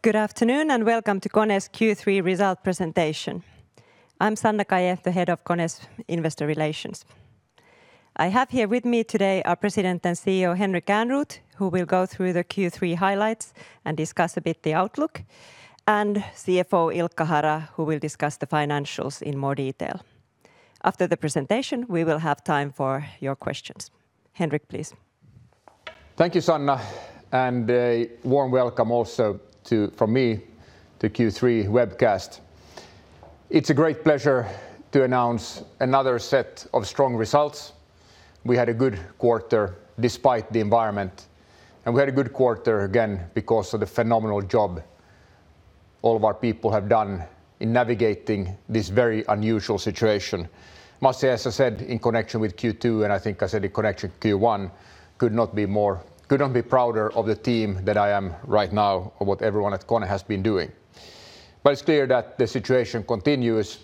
Good afternoon, and welcome to KONE's Q3 result presentation. I'm Sanna Kaje, the Head of KONE's Investor Relations. I have here with me today our President and CEO, Henrik Ehrnrooth, who will go through the Q3 highlights and discuss a bit the outlook, and CFO, Ilkka Hara, who will discuss the financials in more detail. After the presentation, we will have time for your questions. Henrik, please. Thank you, Sanna, and a warm welcome also from me to Q3 webcast. It's a great pleasure to announce another set of strong results. We had a good quarter despite the environment, and we had a good quarter again because of the phenomenal job all of our people have done in navigating this very unusual situation. Must say, as I said in connection with Q2, and I think I said in connection with Q1, could not be prouder of the team than I am right now of what everyone at KONE has been doing. It's clear that the situation continues.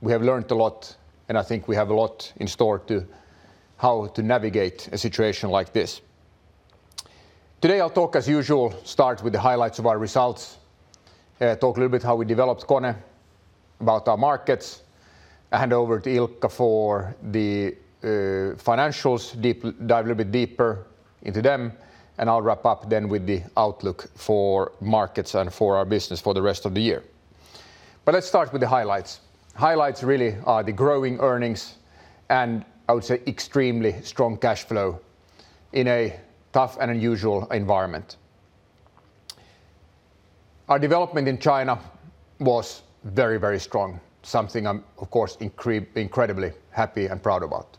We have learned a lot, and I think we have a lot in store to how to navigate a situation like this. Today, I'll talk, as usual, start with the highlights of our results, talk a little how we developed KONE, about our markets. I hand over to Ilkka for the financials, dive a little bit deeper into them, and I'll wrap up then with the outlook for markets and for our business for the rest of the year. Let's start with the highlights. Highlights really are the growing earnings, and I would say extremely strong cash flow in a tough and unusual environment. Our development in China was very, very strong. Something I'm, of course, incredibly happy and proud about.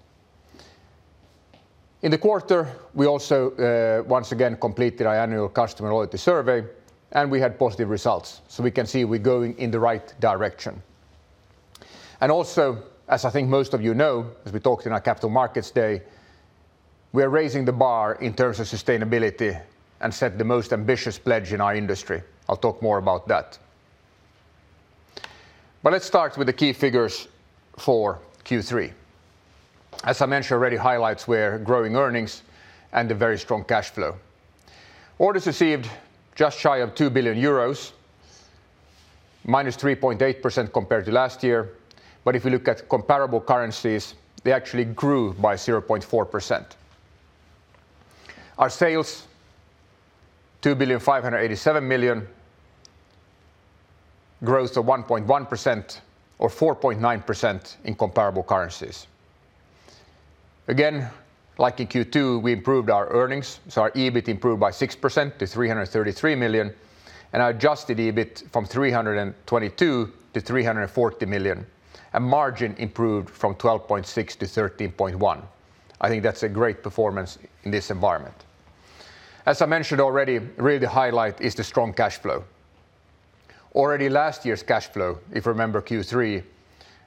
In the quarter, we also, once again, completed our annual customer loyalty survey, and we had positive results. We can see we're going in the right direction. Also, as I think most of you know, as we talked in our Capital Markets Day, we are raising the bar in terms of sustainability and set the most ambitious pledge in our industry. I'll talk more about that. Let's start with the key figures for Q3. As I mentioned already, highlights were growing earnings and a very strong cash flow. Orders received, just shy of 2 billion euros, minus 3.8% compared to last year. If you look at comparable currencies, they actually grew by 0.4%. Our sales, 2.587 billion, growth of 1.1%, or 4.9% in comparable currencies. Again, like in Q2, we improved our earnings, so our EBIT improved by 6% to 333 million, and our adjusted EBIT from 322 million to 340 million, and margin improved from 12.6% to 13.1%. I think that's a great performance in this environment. As I mentioned already, really the highlight is the strong cash flow. Already last year's cash flow, if you remember Q3,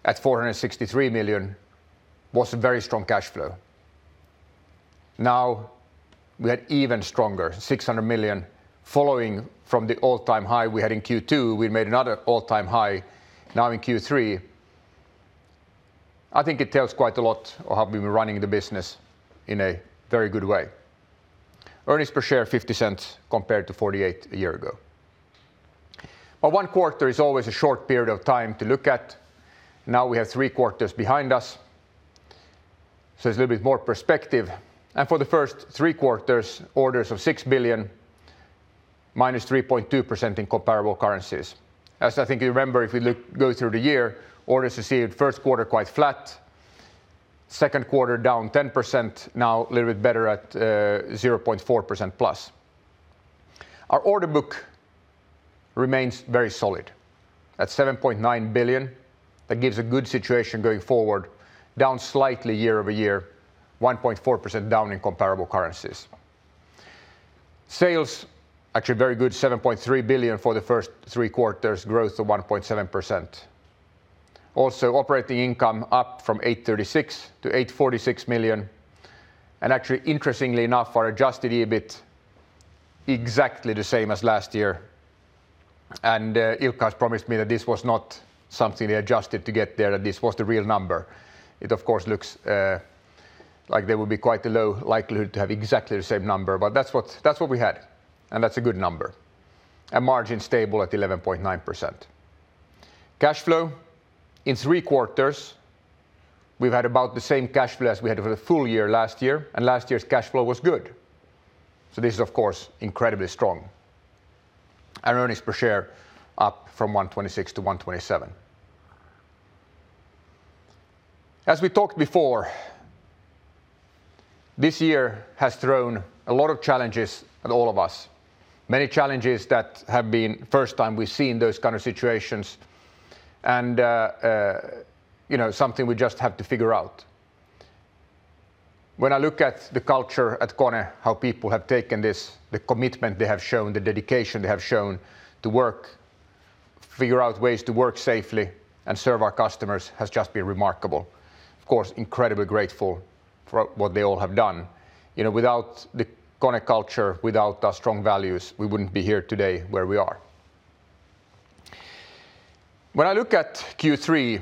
at 463 million, was a very strong cash flow. Now we had even stronger, 600 million, following from the all-time high we had in Q2. We made another all-time high now in Q3. I think it tells quite a lot of how we've been running the business in a very good way. Earnings per share 0.50 compared to 0.48 a year ago. One quarter is always a short period of time to look at. We have three quarters behind us, it's a little bit more perspective. For the first three quarters, orders of 6 billion, minus 3.2% in comparable currencies. As I think you remember, if we go through the year, orders received first quarter quite flat, second quarter down 10%, now a little bit better at 0.4%-plus. Our order book remains very solid. At 7.9 billion, that gives a good situation going forward, down slightly year-over-year, 1.4% down in comparable currencies. Sales, actually very good, 7.3 billion for the first three quarters, growth of 1.7%. Operating income up from 836 million-846 million. Actually, interestingly enough, our adjusted EBIT exactly the same as last year. Ilkka has promised me that this was not something they adjusted to get there, that this was the real number. It, of course, looks like there would be quite a low likelihood to have exactly the same number, but that's what we had, and that's a good number. Margin stable at 11.9%. Cash flow, in 3 quarters we've had about the same cash flow as we had for the full year last year, and last year's cash flow was good. This is, of course, incredibly strong. Earnings per share up from 126-127. As we talked before, this year has thrown a lot of challenges at all of us. Many challenges that have been first time we've seen those kind of situations and something we just have to figure out. When I look at the culture at KONE, how people have taken this, the commitment they have shown, the dedication they have shown to work, figure out ways to work safely and serve our customers has just been remarkable. Of course, incredibly grateful for what they all have done. Without the KONE culture, without our strong values, we wouldn't be here today where we are. When I look at Q3,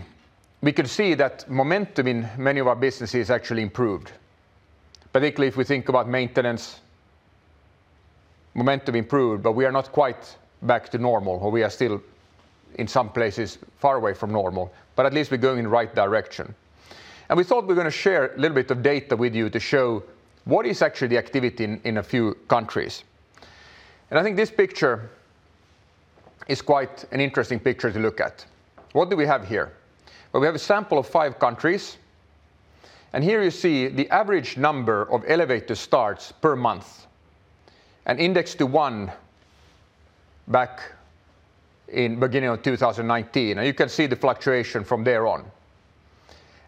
we can see that momentum in many of our businesses actually improved. Particularly if we think about maintenance, momentum improved, but we are not quite back to normal, or we are still in some places far away from normal, but at least we're going in the right direction. We thought we're going to share a little bit of data with you to show what is actually the activity in a few countries. I think this picture is quite an interesting picture to look at. What do we have here? Well, we have a sample of five countries, and here you see the average number of elevator starts per month, and indexed to one back in beginning of 2019, and you can see the fluctuation from there on.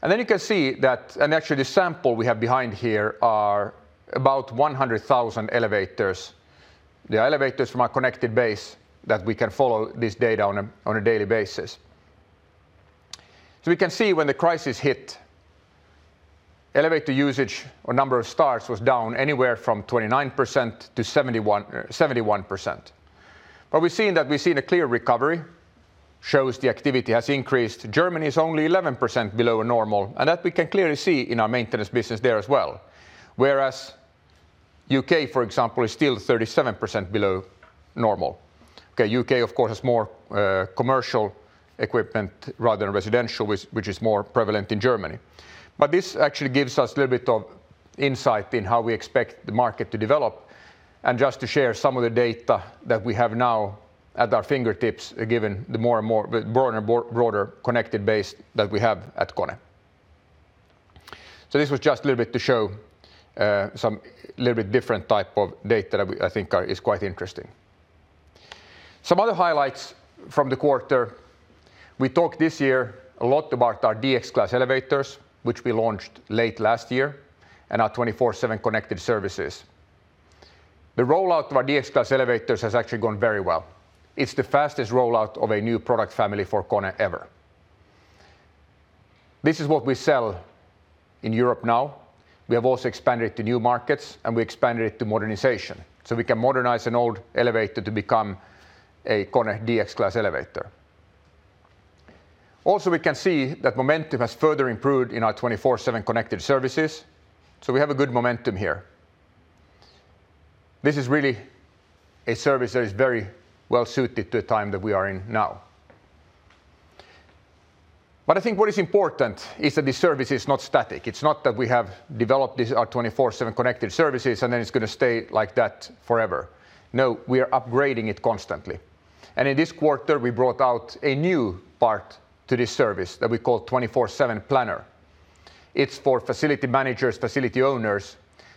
Then you can see that, actually the sample we have behind here are about 100,000 elevators. They are elevators from our connected base that we can follow this data on a daily basis. We can see when the crisis hit, elevator usage or number of starts was down anywhere from 29%-71%. We're seeing that we've seen a clear recovery, shows the activity has increased. Germany is only 11% below normal, and that we can clearly see in our maintenance business there as well. Whereas U.K., for example, is still 37% below normal. U.K. of course, has more commercial equipment rather than residential, which is more prevalent in Germany. This actually gives us a little bit of insight in how we expect the market to develop and just to share some of the data that we have now at our fingertips, given the more and more broader, connected base that we have at KONE. This was just a little bit to show some little bit different type of data that I think is quite interesting. Some other highlights from the quarter. We talked this year a lot about our DX Class elevators, which we launched late last year, and our 24/7 Connected Services. The rollout of our DX Class elevators has actually gone very well. It's the fastest rollout of a new product family for KONE ever. This is what we sell in Europe now. We have also expanded to new markets, and we expanded it to modernization. We can modernize an old elevator to become a KONE DX Class elevator. Also, we can see that momentum has further improved in our 24/7 Connected Services, so we have a good momentum here. This is really a service that is very well-suited to the time that we are in now. I think what is important is that this service is not static. It's not that we have developed this, our 24/7 Connected Services, then it's going to stay like that forever. No, we are upgrading it constantly. In this quarter, we brought out a new part to this service that we call 24/7 Planner. It's for facility managers, facility owners,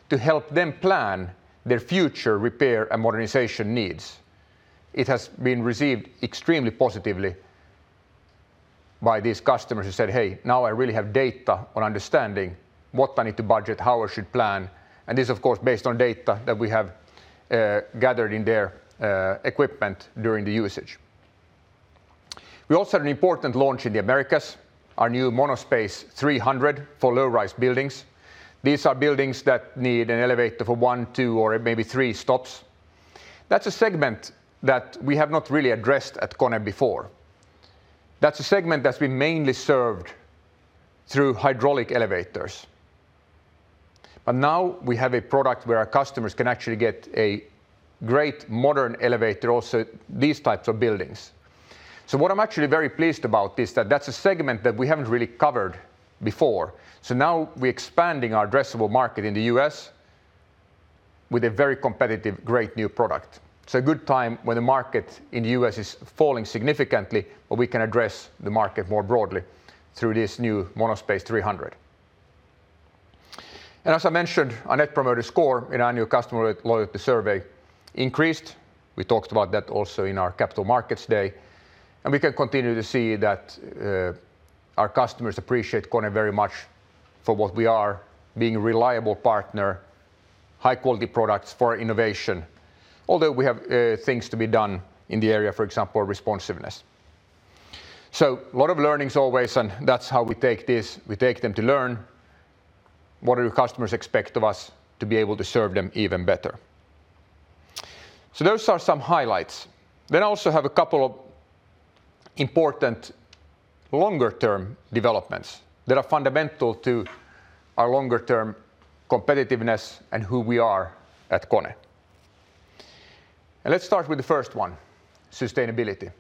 to help them plan their future repair and modernization needs. It has been received extremely positively by these customers who said, "Hey, now I really have data on understanding what I need to budget, how I should plan," and this, of course, based on data that we have gathered in their equipment during the usage. We also had an important launch in the Americas, our new MonoSpace 300 for low-rise buildings. These are buildings that need an elevator for one, two, or maybe three stops. That's a segment that we have not really addressed at KONE before. That's a segment that's been mainly served through hydraulic elevators. Now we have a product where our customers can actually get a great modern elevator also, these types of buildings. What I'm actually very pleased about is that that's a segment that we haven't really covered before. Now we're expanding our addressable market in the U.S. with a very competitive, great new product. It's a good time when the market in the U.S. is falling significantly, but we can address the market more broadly through this new MonoSpace 300. As I mentioned, our Net Promoter Score in our new customer loyalty survey increased. We talked about that also in our Capital Markets Day, and we can continue to see that our customers appreciate KONE very much for what we are, being a reliable partner, high-quality products for innovation, although we have things to be done in the area, for example, responsiveness. A lot of learnings always, and that's how we take this. We take them to learn what do customers expect of us to be able to serve them even better. Those are some highlights. I also have a couple of important longer-term developments that are fundamental to our longer-term competitiveness and who we are at KONE. Let's start with the first one, sustainability.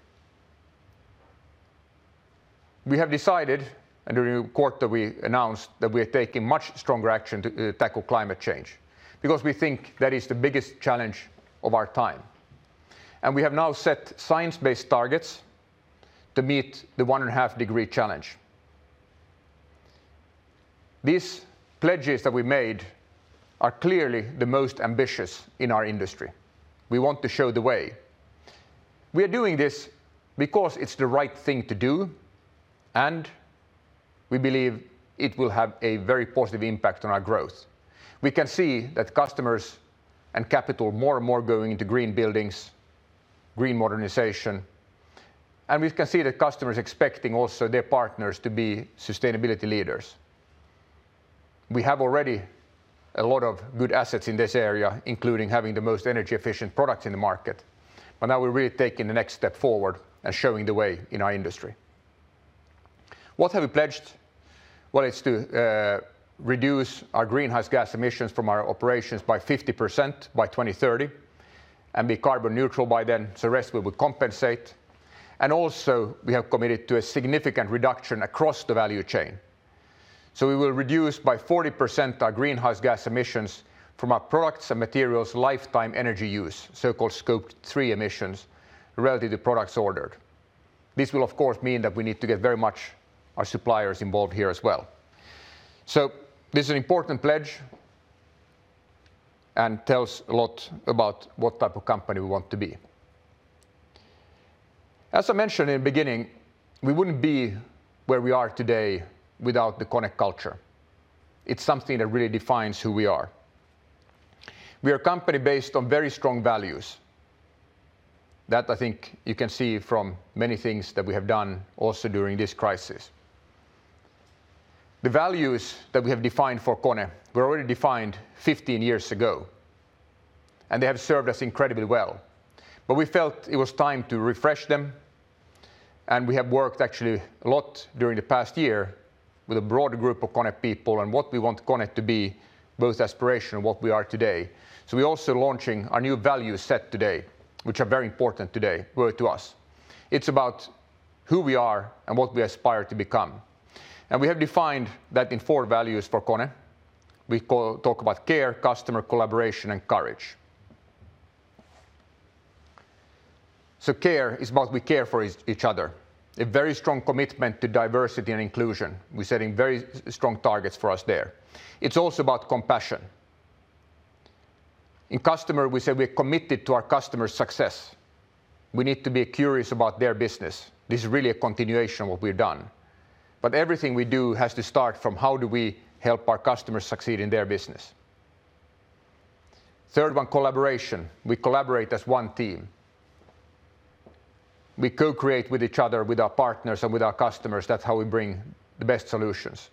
We have decided, and during the quarter we announced, that we are taking much stronger action to tackle climate change because we think that is the biggest challenge of our time. We have now set science-based targets to meet the one-and-a-half degree challenge. These pledges that we made are clearly the most ambitious in our industry. We want to show the way. We are doing this because it's the right thing to do, and we believe it will have a very positive impact on our growth. We can see that customers and capital more and more going into green buildings, green modernization, and we can see the customers expecting also their partners to be sustainability leaders. We have already a lot of good assets in this area, including having the most energy efficient products in the market. Now we're really taking the next step forward and showing the way in our industry. What have we pledged? It's to reduce our greenhouse gas emissions from our operations by 50% by 2030, and be carbon neutral by then. The rest we will compensate. Also we have committed to a significant reduction across the value chain. We will reduce by 40% our greenhouse gas emissions from our products and materials lifetime energy use, so-called Scope 3 emissions, relative to products ordered. This will, of course, mean that we need to get very much our suppliers involved here as well. This is an important pledge, and tells a lot about what type of company we want to be. As I mentioned in the beginning, we wouldn't be where we are today without the KONE culture. It's something that really defines who we are. We are a company based on very strong values. That, I think you can see from many things that we have done also during this crisis. The values that we have defined for KONE were already defined 15 years ago, and they have served us incredibly well. We felt it was time to refresh them, and we have worked actually a lot during the past year with a broad group of KONE people on what we want KONE to be, both aspiration and what we are today. We're also launching our new value set today, which are very important today, well, to us. It's about who we are and what we aspire to become. We have defined that in four values for KONE. We talk about care, customer, collaboration, and courage. Care is about we care for each other, a very strong commitment to diversity and inclusion. We're setting very strong targets for us there. It's also about compassion. In customer, we say we're committed to our customers' success. We need to be curious about their business. This is really a continuation of what we've done. Everything we do has to start from how do we help our customers succeed in their business. Third one, collaboration. We collaborate as one team. We co-create with each other, with our partners, and with our customers. That's how we bring the best solutions.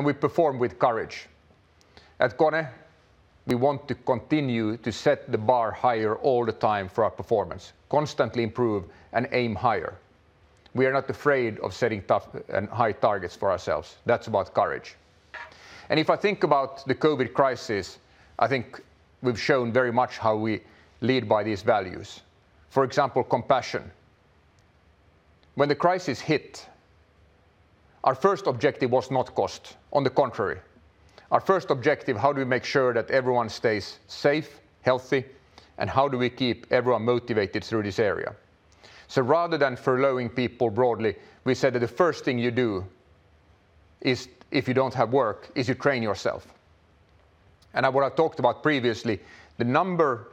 We perform with courage. At KONE, we want to continue to set the bar higher all the time for our performance, constantly improve and aim higher. We are not afraid of setting tough and high targets for ourselves. That's about courage. If I think about the COVID crisis, I think we've shown very much how we lead by these values. For example, compassion. When the crisis hit, our first objective was not cost. On the contrary, our first objective, how do we make sure that everyone stays safe, healthy, and how do we keep everyone motivated through this area? Rather than furloughing people broadly, we said that the first thing you do is if you don't have work, is you train yourself. What I've talked about previously, the number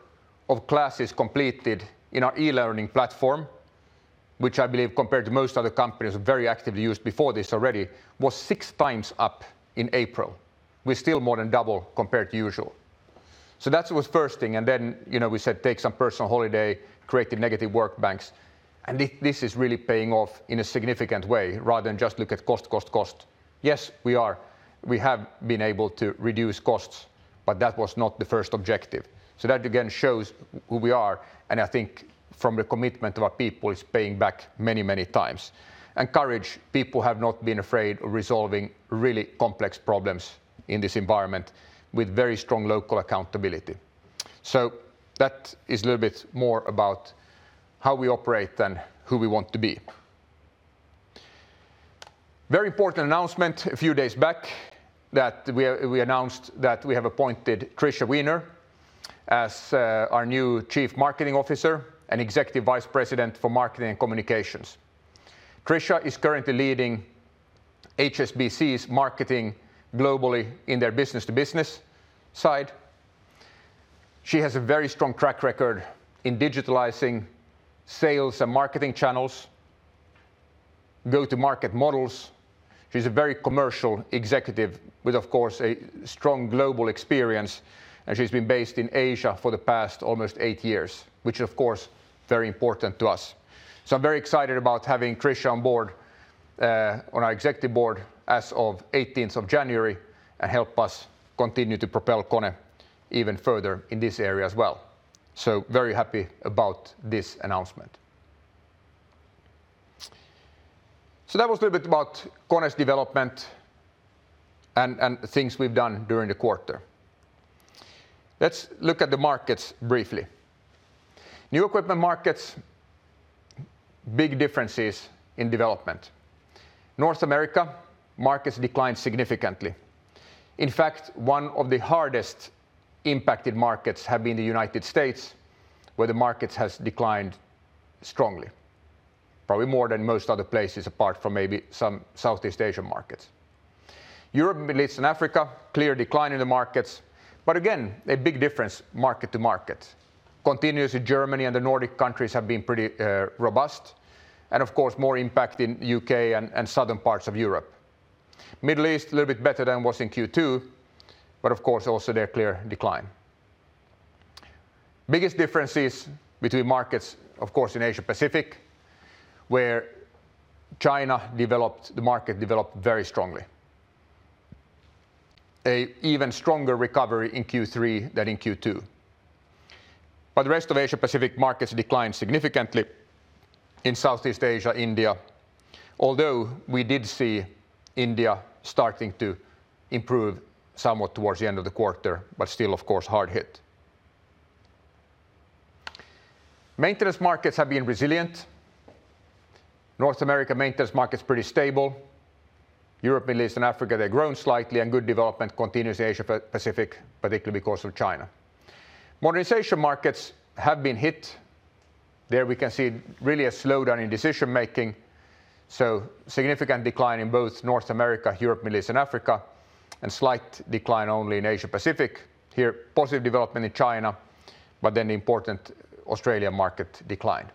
of classes completed in our e-learning platform, which I believe compared to most other companies, very actively used before this already, was 6 times up in April. We're still more than double compared to usual. That was first thing, and then, we said take some personal holiday, create the negative work banks, and this is really paying off in a significant way rather than just look at cost. Yes, we are. We have been able to reduce costs, that was not the first objective. That again shows who we are, and I think from the commitment of our people, it's paying back many times. Courage, people have not been afraid of resolving really complex problems in this environment with very strong local accountability. That is a little bit more about how we operate and who we want to be. Very important announcement a few days back that we announced that we have appointed Tricia Weener as our new Chief Marketing Officer and Executive Vice President for Marketing and Communications. Tricia is currently leading HSBC's marketing globally in their business-to-business side. She has a very strong track record in digitalizing sales and marketing channels, go-to-market models. She's a very commercial executive with, of course, a strong global experience, and she's been based in Asia for the past almost 8 years, which is, of course, very important to us. I'm very excited about having Tricia on board, on our executive board as of 18th of January, and help us continue to propel KONE even further in this area as well. Very happy about this announcement. That was a little bit about KONE's development and things we've done during the quarter. Let's look at the markets briefly. New equipment markets, big differences in development. North America, markets declined significantly. In fact, one of the hardest impacted markets have been the United States, where the markets has declined strongly, probably more than most other places apart from maybe some Southeast Asian markets. Europe, Middle East, and Africa, clear decline in the markets, but again, a big difference market to market. Continues in Germany and the Nordic countries have been pretty robust, and of course, more impact in U.K. and southern parts of Europe. Middle East, a little bit better than was in Q2, but of course, also their clear decline. Biggest differences between markets, of course, in Asia-Pacific, where China developed, the market developed very strongly. An even stronger recovery in Q3 than in Q2. The rest of Asia-Pacific markets declined significantly in Southeast Asia, India, although we did see India starting to improve somewhat towards the end of the quarter, but still, of course, hard hit. Maintenance markets have been resilient. North America maintenance market's pretty stable. Europe, Middle East, and Africa, they've grown slightly, and good development continues in Asia-Pacific, particularly because of China. Modernization markets have been hit. There we can see really a slowdown in decision-making, significant decline in both North America, EMEA, and slight decline only in Asia-Pacific. Here, positive development in China, the important Australian market declined.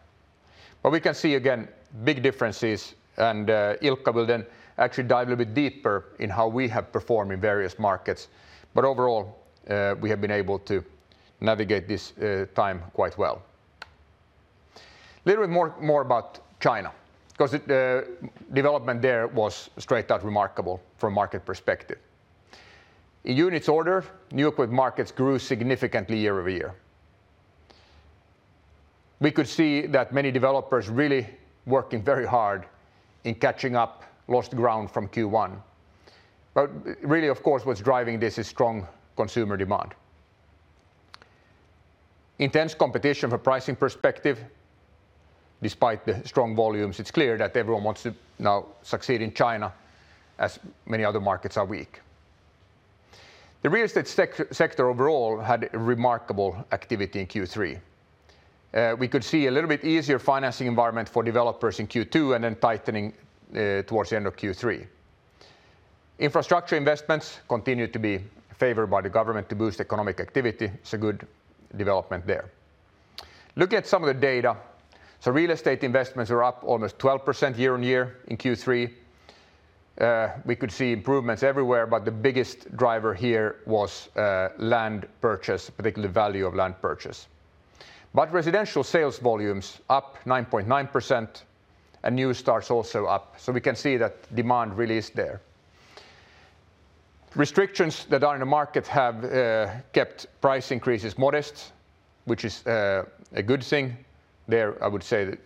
We can see again big differences, Ilkka will then actually dive a little bit deeper in how we have performed in various markets. Overall, we have been able to navigate this time quite well. Little more about China, because the development there was straight-out remarkable from a market perspective. In units order, new equipment markets grew significantly year-over-year. We could see that many developers really working very hard in catching up lost ground from Q1. Really, of course, what's driving this is strong consumer demand. Intense competition from a pricing perspective, despite the strong volumes. It's clear that everyone wants to now succeed in China, as many other markets are weak. The real estate sector overall had remarkable activity in Q3. We could see a little bit easier financing environment for developers in Q2, and then tightening towards the end of Q3. Infrastructure investments continue to be favored by the government to boost economic activity, good development there. Looking at some of the data, real estate investments are up almost 12% year-on-year in Q3. We could see improvements everywhere, but the biggest driver here was land purchase, particularly value of land purchase. Residential sales volumes up 9.9%, and new starts also up. We can see that demand really is there. Restrictions that are in the market have kept price increases modest, which is a good thing. There I would say that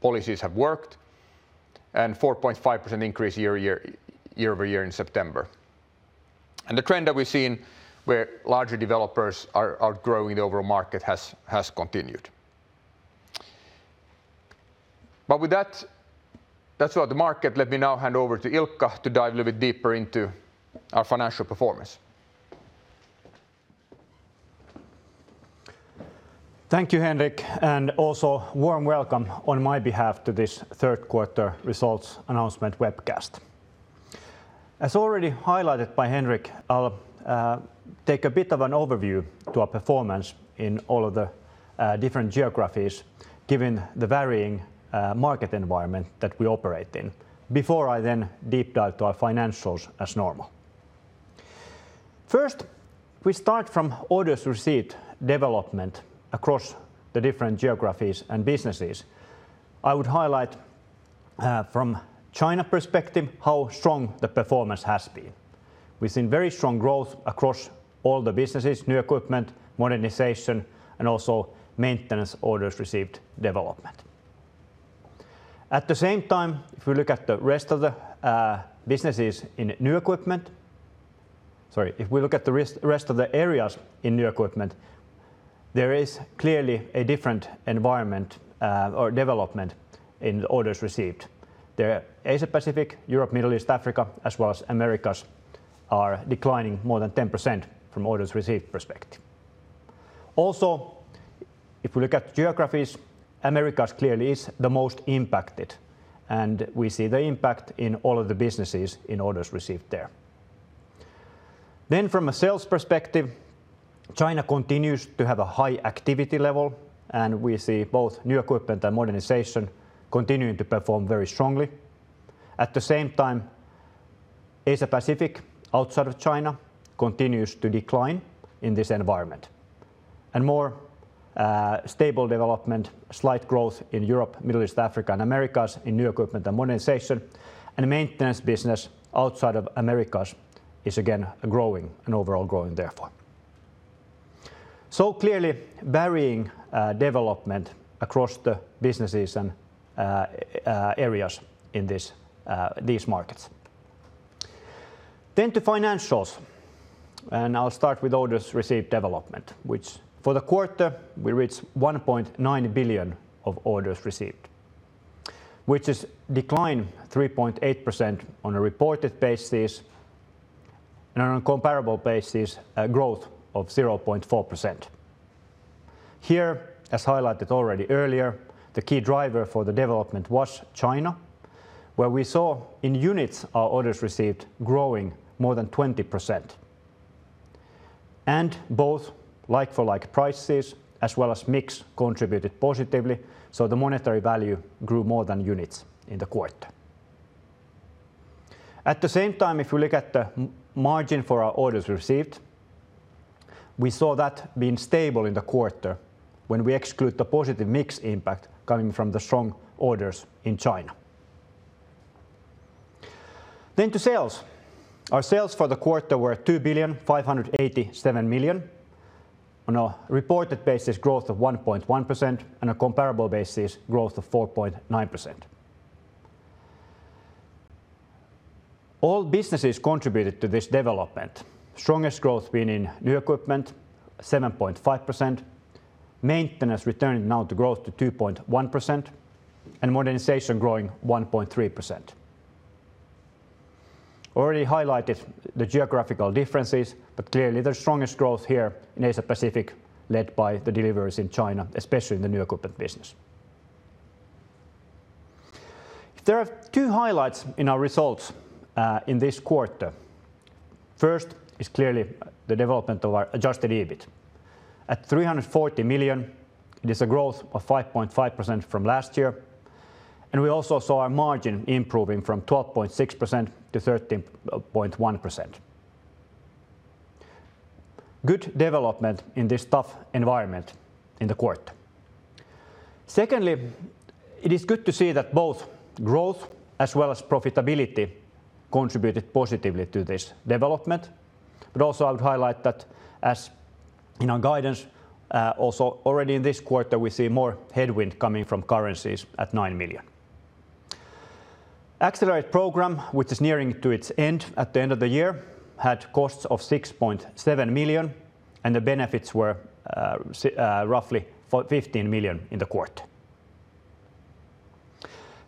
policies have worked. 4.5% increase year-over-year in September. The trend that we've seen where larger developers are outgrowing the overall market has continued. With that's all the market. Let me now hand over to Ilkka to dive a little bit deeper into our financial performance. Thank you, Henrik, and also warm welcome on my behalf to this third quarter results announcement webcast. As already highlighted by Henrik, I'll take a bit of an overview to our performance in all of the different geographies given the varying market environment that we operate in before I then deep dive to our financials as normal. First, we start from orders received development across the different geographies and businesses. I would highlight, from China perspective, how strong the performance has been. We've seen very strong growth across all the businesses, new equipment, modernization, and also maintenance orders received development. At the same time, if we look at the rest of the areas in new equipment, there is clearly a different environment, or development in the orders received. The Asia-Pacific, Europe, Middle East, Africa, as well as Americas, are declining more than 10% from orders received perspective. If we look at geographies, Americas clearly is the most impacted, and we see the impact in all of the businesses in orders received there. From a sales perspective, China continues to have a high activity level, and we see both new equipment and modernization continuing to perform very strongly. At the same time, Asia-Pacific outside of China continues to decline in this environment. More stable development, slight growth in Europe, Middle East, Africa, and Americas in new equipment and modernization. Maintenance business outside of Americas is again growing, and overall growing therefore. Clearly, varying development across the businesses and areas in these markets. To financials, I'll start with orders received development, which for the quarter we reached 1.9 billion of orders received, which is decline 3.8% on a reported basis, on a comparable basis, a growth of 0.4%. As highlighted already earlier, the key driver for the development was China, where we saw in units our orders received growing more than 20%. Both like-for-like prices as well as mix contributed positively, the monetary value grew more than units in the quarter. At the same time, if we look at the margin for our orders received, we saw that being stable in the quarter when we exclude the positive mix impact coming from the strong orders in China. To sales. Our sales for the quarter were 2,587 million on a reported basis growth of 1.1%, a comparable basis growth of 4.9%. All businesses contributed to this development. Strongest growth being in new equipment, 7.5%. Maintenance returning now to growth to 2.1%, and modernization growing 1.3%. Already highlighted the geographical differences, clearly the strongest growth here in Asia-Pacific led by the deliveries in China, especially in the new equipment business. There are two highlights in our results in this quarter. First is clearly the development of our adjusted EBIT. At 340 million, it is a growth of 5.5% from last year, and we also saw our margin improving from 12.6% to 13.1%. Good development in this tough environment in the quarter. Secondly, it is good to see that both growth as well as profitability contributed positively to this development. Also I would highlight that as in our guidance, also already in this quarter, we see more headwind coming from currencies at 9 million. Accelerate program, which is nearing to its end at the end of the year, had costs of 6.7 million, and the benefits were roughly 15 million in the quarter.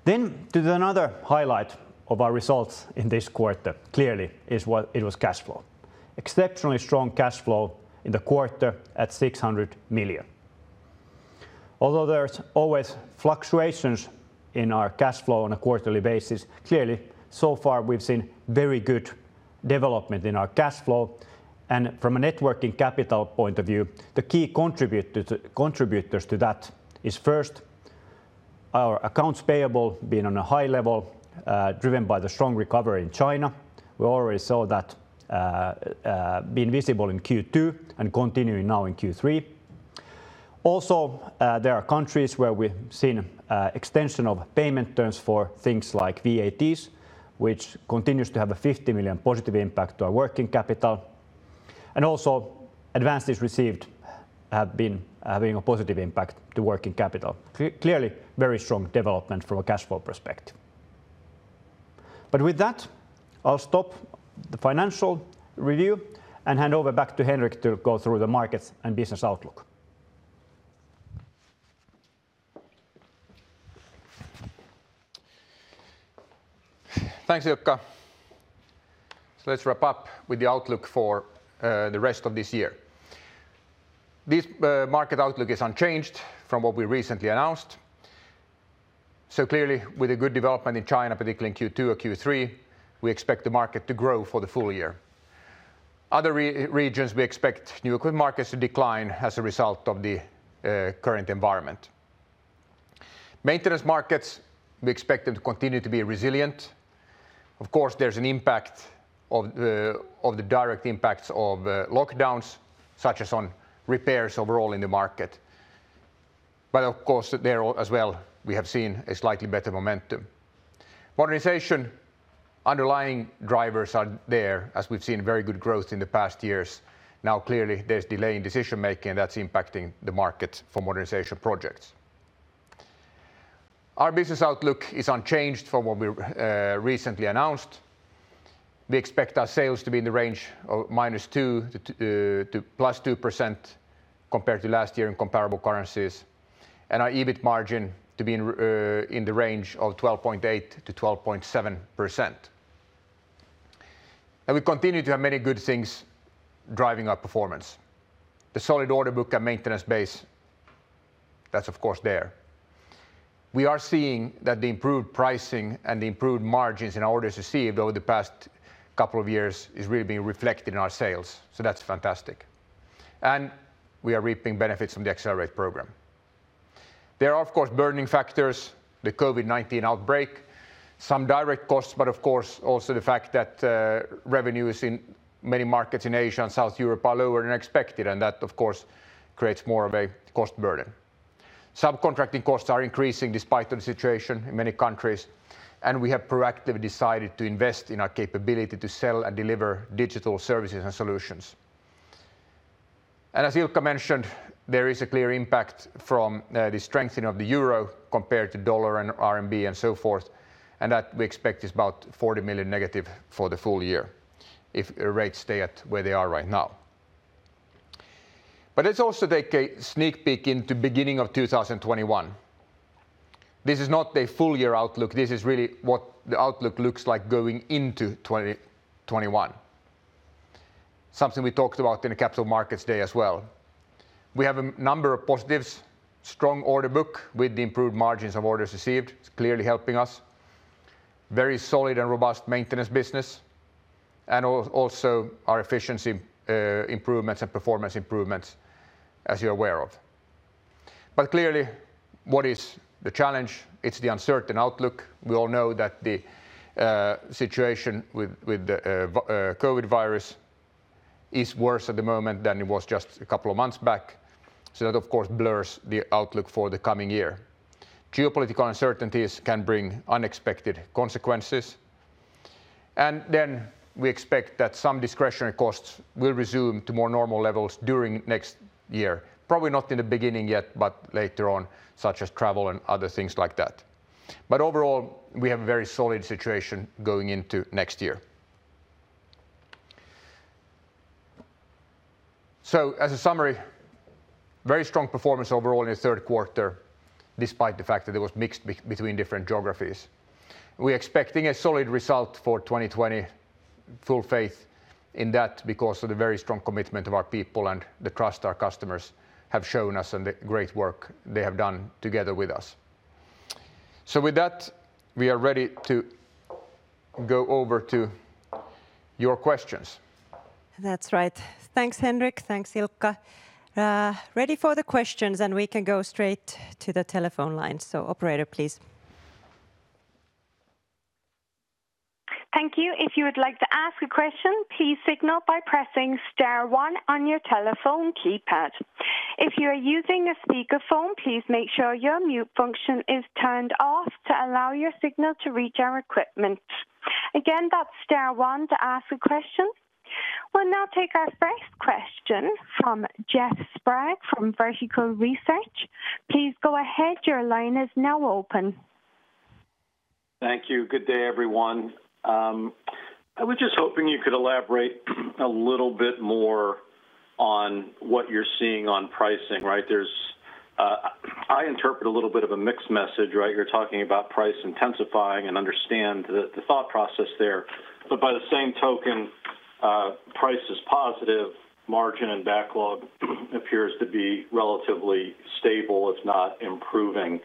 Then to another highlight of our results in this quarter, clearly it was cash flow. Exceptionally strong cash flow in the quarter at 600 million. Although there's always fluctuations in our cash flow on a quarterly basis, clearly so far we've seen very good development in our cash flow. And from a net working capital point of view, the key contributors to that is first our accounts payable being on a high level, driven by the strong recovery in China. We already saw that being visible in Q2 and continuing now in Q3. Also, there are countries where we've seen extension of payment terms for things like VATs, which continues to have a 50 million positive impact to our working capital. Also advances received have been having a positive impact to working capital. Clearly, very strong development from a cash flow perspective. With that, I'll stop the financial review and hand over back to Henrik to go through the markets and business outlook. Thanks, IIkka. Let's wrap up with the outlook for the rest of this year. This market outlook is unchanged from what we recently announced. Clearly with a good development in China, particularly in Q2 or Q3, we expect the market to grow for the full year. Other regions, we expect new equipment markets to decline as a result of the current environment. Maintenance markets, we expect them to continue to be resilient. Of course, there's an impact of the direct impacts of lockdowns, such as on repairs overall in the market. Of course, there as well, we have seen a slightly better momentum. Modernization, underlying drivers are there, as we've seen very good growth in the past years. Now clearly there's delay in decision-making that's impacting the market for modernization projects. Our business outlook is unchanged from what we recently announced. We expect our sales to be in the range of -2% to +2% compared to last year in comparable currencies, and our EBIT margin to be in the range of 12.1% to 12.7%. We continue to have many good things driving our performance. The solid order book and maintenance base, that's of course there. We are seeing that the improved pricing and the improved margins in orders received over the past couple of years is really being reflected in our sales. That's fantastic. We are reaping benefits from the Accelerate program. There are of course burdening factors, the COVID-19 outbreak, some direct costs, but of course also the fact that revenues in many markets in Asia and South Europe are lower than expected, and that of course creates more of a cost burden. Subcontracting costs are increasing despite the situation in many countries, and we have proactively decided to invest in our capability to sell and deliver digital services and solutions. As Ilkka mentioned, there is a clear impact from the strengthening of the EUR compared to USD and RMB and so forth, and that we expect is about 40 million negative for the full year if rates stay at where they are right now. Let's also take a sneak peek into beginning of 2021. This is not a full year outlook. This is really what the outlook looks like going into 2021. Something we talked about in the Capital Markets Day as well. We have a number of positives, strong order book with the improved margins of orders received. It's clearly helping us. Very solid and robust maintenance business, and also our efficiency improvements and performance improvements as you're aware of. Clearly, what is the challenge? It's the uncertain outlook. We all know that the situation with the COVID-19 is worse at the moment than it was just a couple of months back, so that of course blurs the outlook for the coming year. Geopolitical uncertainties can bring unexpected consequences. Then we expect that some discretionary costs will resume to more normal levels during next year. Probably not in the beginning yet, but later on, such as travel and other things like that. Overall, we have a very solid situation going into next year. As a summary, very strong performance overall in the third quarter, despite the fact that it was mixed between different geographies. We're expecting a solid result for 2020. Full faith in that because of the very strong commitment of our people and the trust our customers have shown us and the great work they have done together with us. With that, we are ready to go over to your questions. That's right. Thanks, Henrik. Thanks, Ilkka. Ready for the questions, and we can go straight to the telephone lines. Operator, please. Thank you. If you would like to ask a question, please signal by pressing star one on your telephone keypad. If you are using a speakerphone, please make sure your mute function is turned off to allow your signal to reach our equipment. Again, that's star one to ask a question. We'll now take our first question from Jeff Sprague from Vertical Research. Please go ahead. Your line is now open. Thank you. Good day, everyone. I was just hoping you could elaborate a little bit more on what you're seeing on pricing, right? I interpret a little bit of a mixed message, right? You're talking about price intensifying and understand the thought process there. By the same token, price is positive, margin and backlog appears to be relatively stable, if not improving.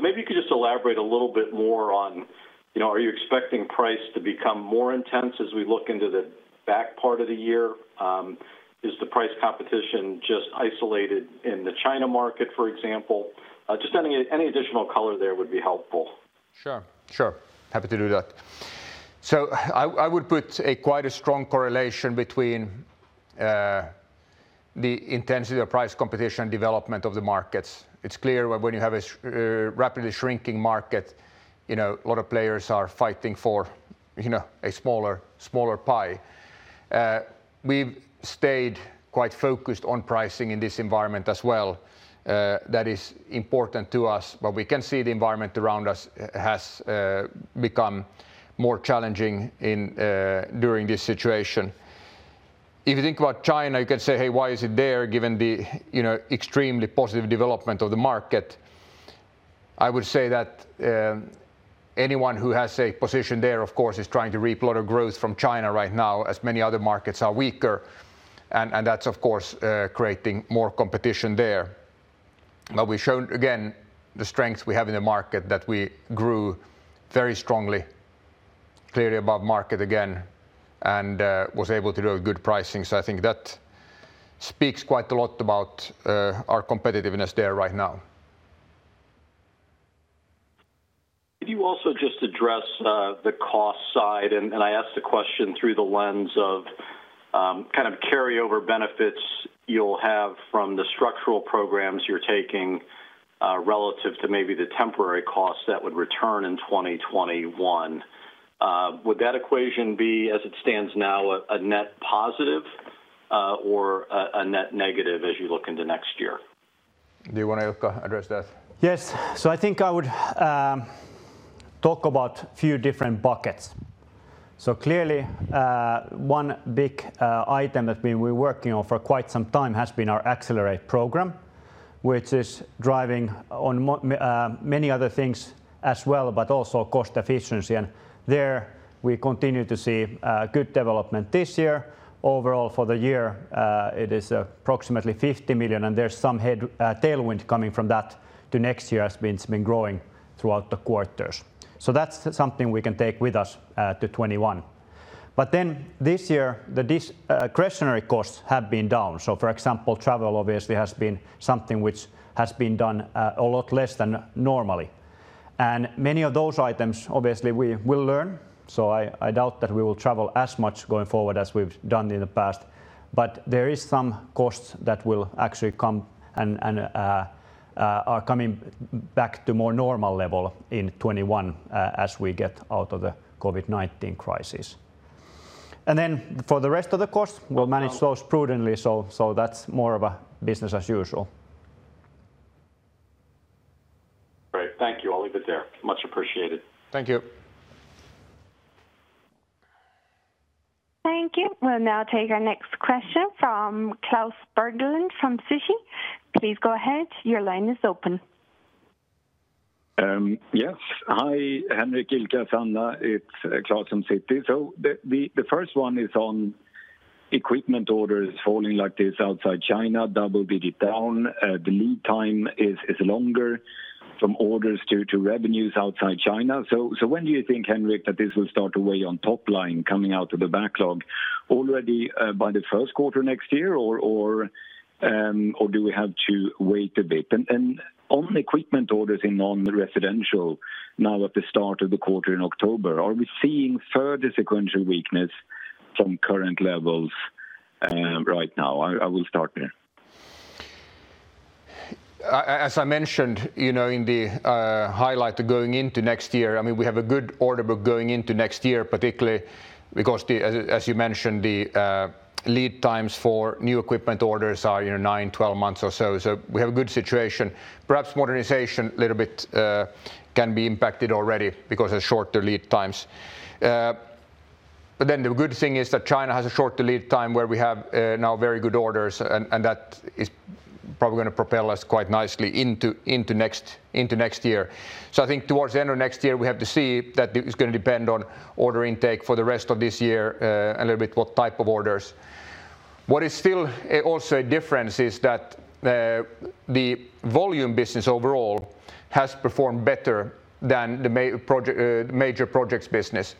Maybe you could just elaborate a little bit more on, are you expecting price to become more intense as we look into the back part of the year? Is the price competition just isolated in the China market, for example? Any additional color there would be helpful. Sure. Happy to do that. I would put quite a strong correlation between the intensity of price competition development of the markets. It's clear when you have a rapidly shrinking market, a lot of players are fighting for a smaller pie. We've stayed quite focused on pricing in this environment as well. That is important to us. We can see the environment around us has become more challenging during this situation. If you think about China, you can say, "Hey, why is it there given the extremely positive development of the market?" I would say that anyone who has a position there, of course, is trying to reap a lot of growth from China right now as many other markets are weaker, and that's, of course, creating more competition there. We've shown, again, the strength we have in the market that we grew very strongly, clearly above market again, and was able to do a good pricing. I think that speaks quite a lot about our competitiveness there right now. Could you also just address the cost side? I ask the question through the lens of kind of carryover benefits you'll have from the structural programs you're taking, relative to maybe the temporary costs that would return in 2021. Would that equation be, as it stands now, a net positive, or a net negative as you look into next year? Do you want to, Ilkka, address that? Yes. I think I would talk about few different buckets. Clearly, one big item that we've been working on for quite some time has been our Accelerate program, which is driving on many other things as well, but also cost efficiency. There we continue to see good development this year. Overall for the year, it is approximately 50 million, and there's some tailwind coming from that to next year as it's been growing throughout the quarters. That's something we can take with us to 2021. This year, the discretionary costs have been down. For example, travel obviously has been something which has been done a lot less than normally. Many of those items, obviously, we will learn, so I doubt that we will travel as much going forward as we've done in the past. There is some costs that will actually come and are coming back to more normal level in 2021, as we get out of the COVID-19 crisis. For the rest of the cost, we'll manage those prudently. That's more of a business as usual. Great. Thank you. I will leave it there. Much appreciated. Thank you. Thank you. We'll now take our next question from Klaus Berglund from Citi. Please go ahead. Your line is open. Yes. Hi, Henrik, Ilkka, Sanna. It's Klaus from Citi. The first one is on equipment orders falling like this outside China, double-digit down. The lead time is longer. From orders to revenues outside China. When do you think, Henrik, that this will start to weigh on top line coming out of the backlog? Already by the first quarter next year, or do we have to wait a bit? On equipment orders in non-residential now at the start of the quarter in October, are we seeing further sequential weakness from current levels right now? I will start there. As I mentioned in the highlight going into next year, we have a good order book going into next year, particularly because, as you mentioned, the lead times for new equipment orders are 9, 12 months or so. We have a good situation. Perhaps modernization a little bit can be impacted already because of shorter lead times. The good thing is that China has a shorter lead time where we have now very good orders, and that is probably going to propel us quite nicely into next year. I think towards the end of next year, we have to see that it's going to depend on order intake for the rest of this year, a little bit what type of orders. What is still also a difference is that the volume business overall has performed better than the major projects business.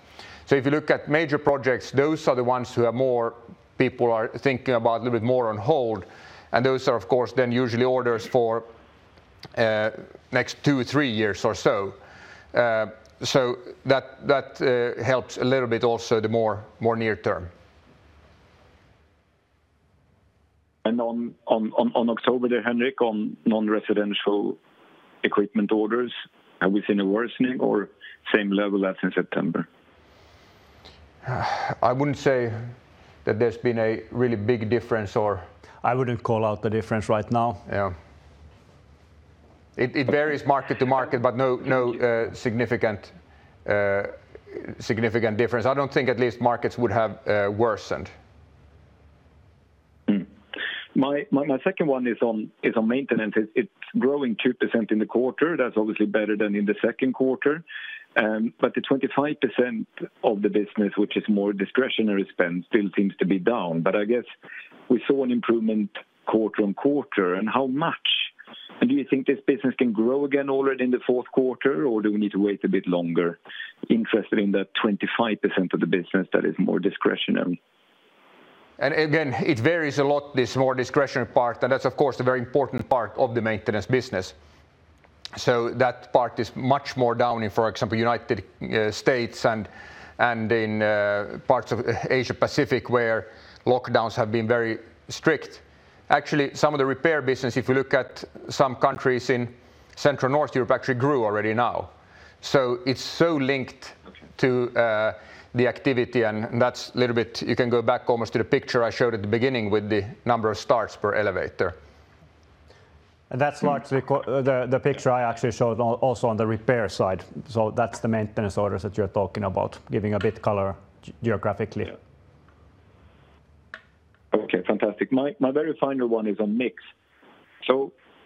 If you look at major projects, those are the ones who people are thinking about a little bit more on hold, and those are, of course, then usually orders for next two, three years or so. That helps a little bit also the more near term. On October there, Henrik, on non-residential equipment orders, are we seeing a worsening or same level as in September? I wouldn't say that there's been a really big difference or. I wouldn't call out the difference right now. Yeah. It varies market to market, but no significant difference. I don't think at least markets would have worsened. My second one is on maintenance. It's growing 2% in the quarter. That's obviously better than in the second quarter. The 25% of the business, which is more discretionary spend, still seems to be down. I guess we saw an improvement quarter on quarter, and how much? Do you think this business can grow again already in the fourth quarter, or do we need to wait a bit longer? Interested in that 25% of the business that is more discretionary. Again, it varies a lot, this more discretionary part, and that's of course, a very important part of the maintenance business. That part is much more down in, for example, United States and in parts of Asia-Pacific, where lockdowns have been very strict. Actually, some of the repair business, if you look at some countries in Central and North Europe, actually grew already now. It's so linked to the activity, and that's a little bit. You can go back almost to the picture I showed at the beginning with the number of starts per elevator. That's largely the picture I actually showed also on the repair side. That's the maintenance orders that you're talking about, giving a bit color geographically. Yeah. Okay. Fantastic. My very final one is on mix.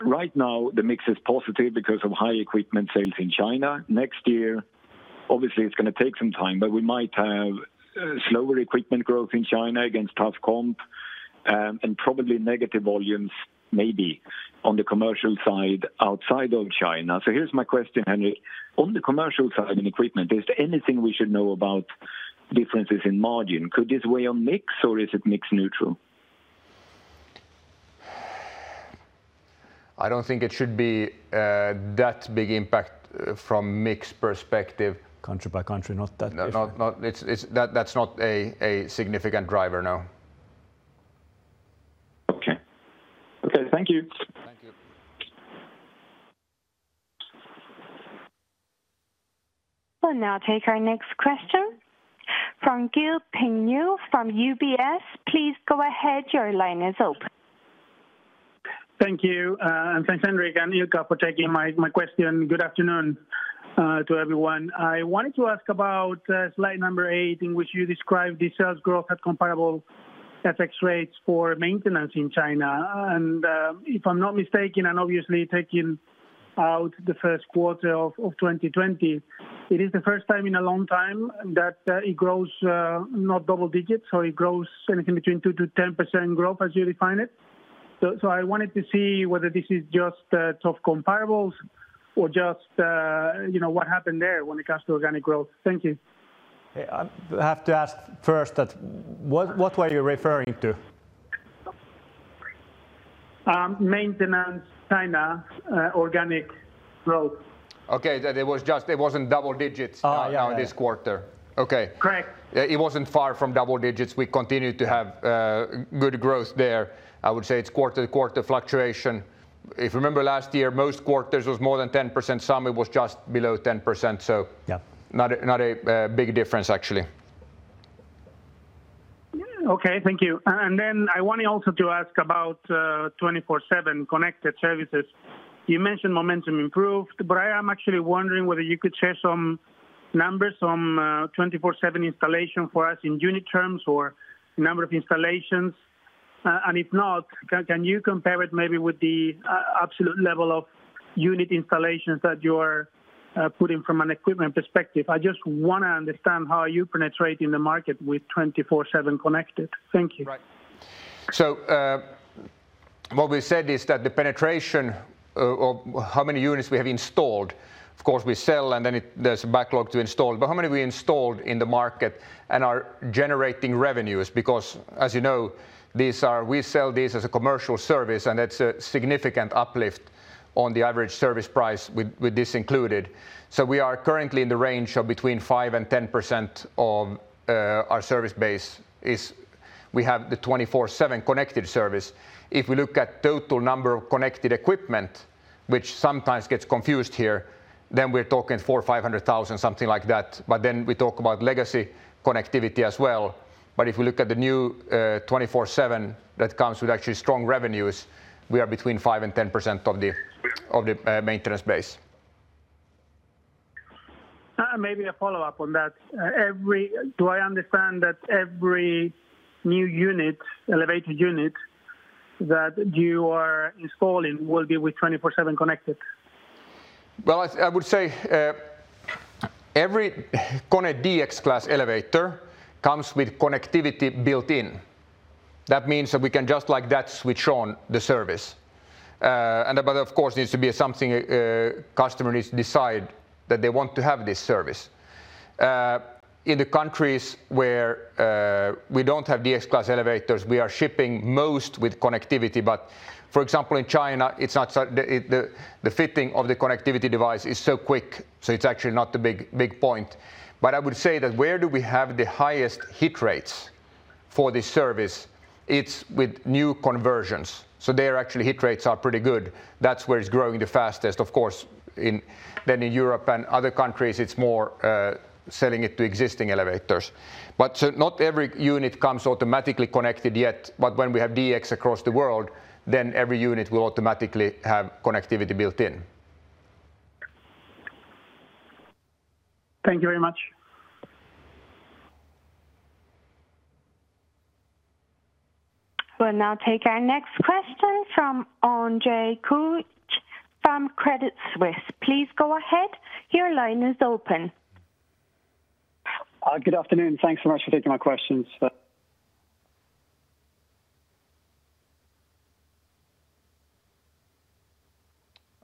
Right now the mix is positive because of high equipment sales in China. Next year, obviously it's going to take some time, but we might have slower equipment growth in China against tough comp, and probably negative volumes maybe on the commercial side outside of China. Here's my question, Henrik. On the commercial side in equipment, is there anything we should know about differences in margin? Could this weigh on mix or is it mix neutral? I don't think it should be that big impact from mix perspective. Country by country, not that different. No, that's not a significant driver. No. Okay. Thank you. Thank you. We'll now take our next question from Guillermo Peigneux from UBS. Please go ahead. Your line is open. Thank you. Thanks, Henrik and Ilkka for taking my question. Good afternoon to everyone. I wanted to ask about slide number 8 in which you described the sales growth at comparable FX rates for maintenance in China. If I'm not mistaken, and obviously taking out the first quarter of 2020, it is the first time in a long time that it grows not double digits, so it grows anything between 2%-10% growth as you define it. I wanted to see whether this is just tough comparables or just what happened there when it comes to organic growth. Thank you. I have to ask first, what were you referring to? Maintenance China organic growth. Okay. That it wasn't double digits- Yeah. this quarter. Okay. Correct. It wasn't far from double digits. We continued to have good growth there. I would say it's quarter to quarter fluctuation. If you remember last year, most quarters was more than 10%, some it was just below 10%. Yeah not a big difference, actually. Okay. Thank you. I wanted also to ask about 24/7 Connected Services. You mentioned momentum improved, I am actually wondering whether you could share some numbers on 24/7 Connected Services installation for us in unit terms or number of installations. If not, can you compare it maybe with the absolute level of unit installations that you are putting from an equipment perspective? I just want to understand how you penetrate in the market with 24/7 Connected Services. Thank you. Right, what we said is that the penetration of how many units we have installed, of course, we sell and then there's a backlog to install, but how many we installed in the market and are generating revenues, because as you know, we sell these as a commercial service, and it's a significant uplift on the average service price with this included. We are currently in the range of between 5% and 10% of our service base is we have the 24/7 Connected Services. If we look at total number of connected equipment, which sometimes gets confused here, we are talking 400,000 or 500,000, something like that. We talk about legacy connectivity as well. If we look at the new 24/7 that comes with actually strong revenues, we are between 5% and 10% of the maintenance base. Maybe a follow-up on that. Do I understand that every new elevator unit that you are installing will be with 24/7 Connected? Well, I would say every KONE DX Class elevator comes with connectivity built in. That means that we can just like that switch on the service. Of course, it needs to be something customer needs decide that they want to have this service. In the countries where we don't have DX Class elevators, we are shipping most with connectivity. For example, in China, the fitting of the connectivity device is so quick, so it's actually not the big point. I would say that where do we have the highest hit rates for this service? It's with new conversions. There actually hit rates are pretty good. That's where it's growing the fastest. Of course, then in Europe and other countries, it's more selling it to existing elevators. Not every unit comes automatically connected yet. When we have DX across the world, then every unit will automatically have connectivity built in. Thank you very much. We'll now take our next question from Andre Kukhnin from Credit Suisse. Please go ahead. Your line is open. Good afternoon. Thanks so much for taking my questions.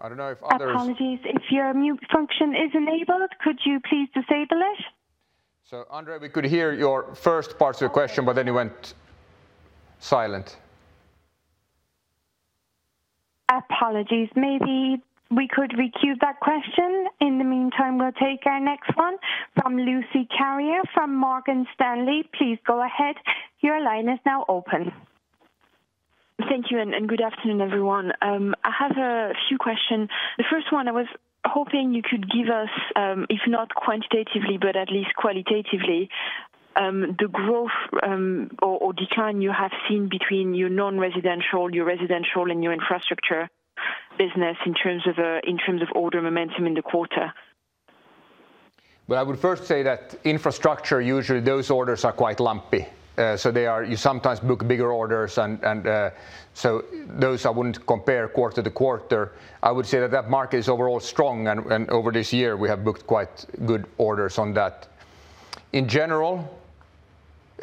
I don't know if others- Apologies. If your mute function is enabled, could you please disable it? Andre, we could hear your first parts of your question, but then you went silent. Apologies. Maybe we could recue that question. In the meantime, we'll take our next one from Lucie Carrier from Morgan Stanley. Please go ahead. Thank you, good afternoon, everyone. I have a few questions. The first one I was hoping you could give us, if not quantitatively, but at least qualitatively, the growth or decline you have seen between your non-residential, your residential, and your infrastructure business in terms of order momentum in the quarter. Well, I would first say that infrastructure, usually those orders are quite lumpy. You sometimes book bigger orders, those I wouldn't compare quarter to quarter. I would say that that market is overall strong, and over this year, we have booked quite good orders on that. In general,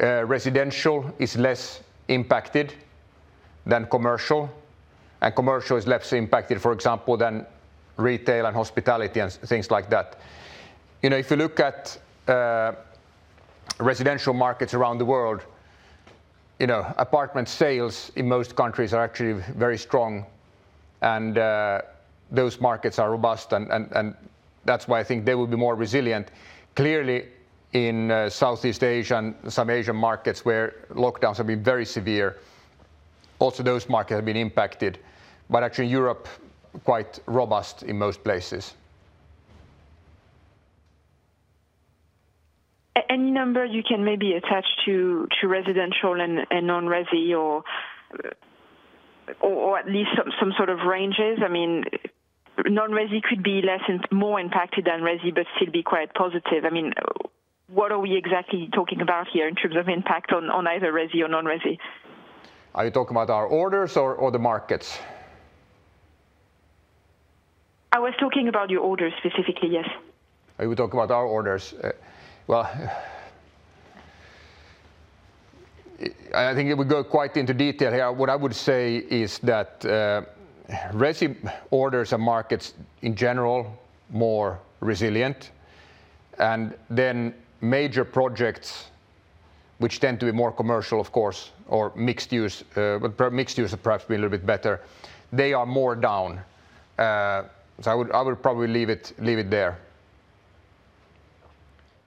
residential is less impacted than commercial, and commercial is less impacted, for example, than retail and hospitality and things like that. If you look at residential markets around the world, apartment sales in most countries are actually very strong, and those markets are robust, and that's why I think they will be more resilient. Clearly, in Southeast Asia and some Asian markets where lockdowns have been very severe, also those markets have been impacted. Actually Europe, quite robust in most places. Any number you can maybe attach to residential and non-resi or at least some sort of ranges? Non-resi could be more impacted than resi, but still be quite positive. What are we exactly talking about here in terms of impact on either resi or non-resi? Are you talking about our orders or the markets? I was talking about your orders specifically, yes. Oh, you were talking about our orders. Well, I think it would go quite into detail here. What I would say is that resi orders and markets in general, more resilient. Major projects, which tend to be more commercial, of course, or mixed use, but mixed use would perhaps be a little bit better. They are more down. I would probably leave it there.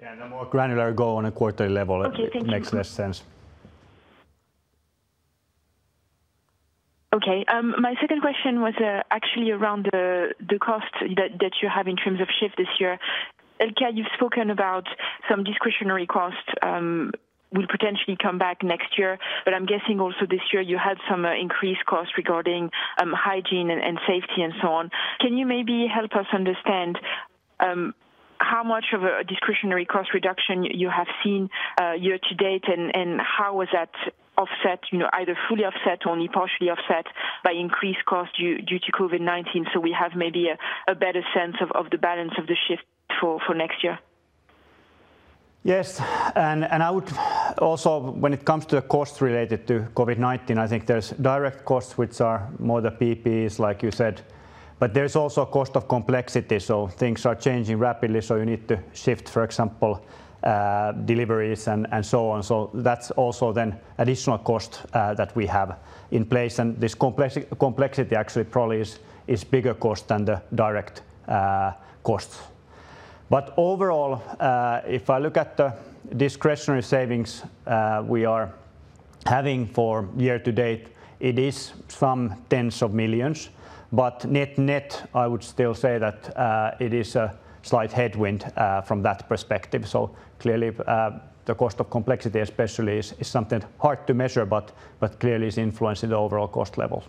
Yeah, the more granular go on a quarterly level. Okay. Thank you makes less sense. Okay. My second question was actually around the cost that you have in terms of shift this year. Ilkka, you've spoken about some discretionary costs will potentially come back next year, but I'm guessing also this year you had some increased cost regarding hygiene and safety and so on. Can you maybe help us understand how much of a discretionary cost reduction you have seen year to date, and how was that offset, either fully offset or only partially offset by increased cost due to COVID-19 so we have maybe a better sense of the balance of the shift for next year? Yes. I would also, when it comes to the cost related to COVID-19, I think there's direct costs, which are more the PPEs, like you said, but there's also a cost of complexity. Things are changing rapidly, so you need to shift, for example, deliveries and so on. That's also then additional cost that we have in place, and this complexity actually probably is bigger cost than the direct costs. Overall, if I look at the discretionary savings we are having for year to date, it is some EUR tens of millions, but net, I would still say that it is a slight headwind from that perspective. Clearly, the cost of complexity especially is something hard to measure, but clearly it's influencing the overall cost level.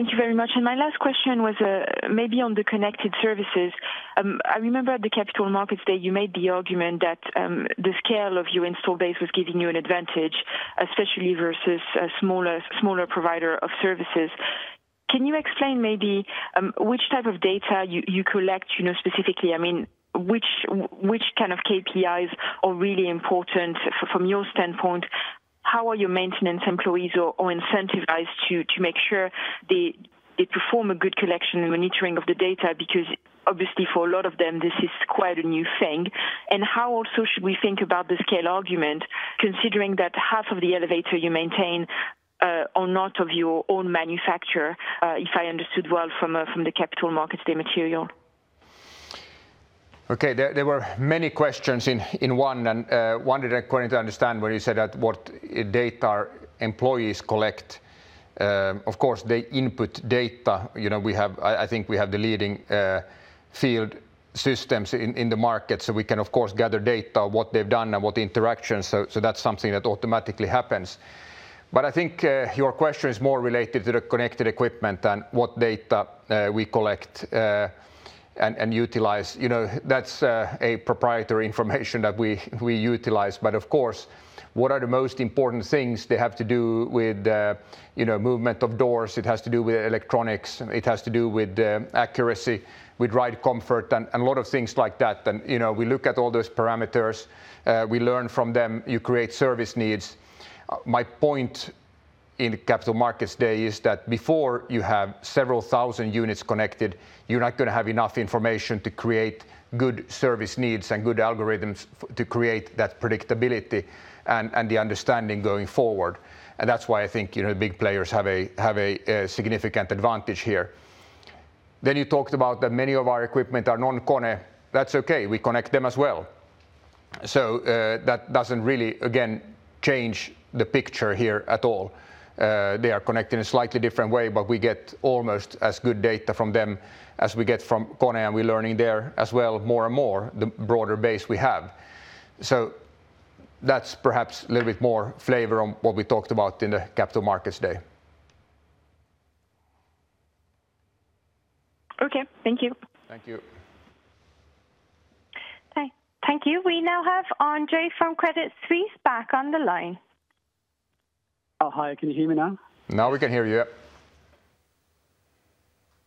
Thank you very much. My last question was maybe on the connected services. I remember at the Capital Markets Day, you made the argument that the scale of your install base was giving you an advantage, especially versus a smaller provider of services. Can you explain maybe which type of data you collect specifically? I mean, which kind of KPIs are really important from your standpoint? How are your maintenance employees incentivized to make sure they perform a good collection and monitoring of the data because obviously for a lot of them this is quite a new thing? How also should we think about the scale argument, considering that half of the elevator you maintain are not of your own manufacture, if I understood well from the Capital Markets Day material? Okay. There were many questions in one that according to understand where you said that what data employees collect. Of course, they input data. I think we have the leading field systems in the market, so we can of course gather data, what they've done and what interactions. That's something that automatically happens. I think your question is more related to the connected equipment than what data we collect and utilize. That's a proprietary information that we utilize. Of course, what are the most important things they have to do with movement of doors, it has to do with electronics, it has to do with accuracy, with ride comfort, and a lot of things like that. We look at all those parameters, we learn from them, you create service needs. My point in the Capital Markets Day is that before you have several thousand units connected, you're not going to have enough information to create good service needs and good algorithms to create that predictability and the understanding going forward. That's why I think big players have a significant advantage here. You talked about that many of our equipment are non-KONE. That's okay. We connect them as well. That doesn't really, again, change the picture here at all. They are connected in a slightly different way, but we get almost as good data from them as we get from KONE, and we're learning there as well more and more, the broader base we have. That's perhaps a little bit more flavor on what we talked about in the Capital Markets Day. Okay. Thank you. Thank you. Thank you. We now have Andre from Credit Suisse back on the line. Oh, hi. Can you hear me now? Now we can hear you, yep.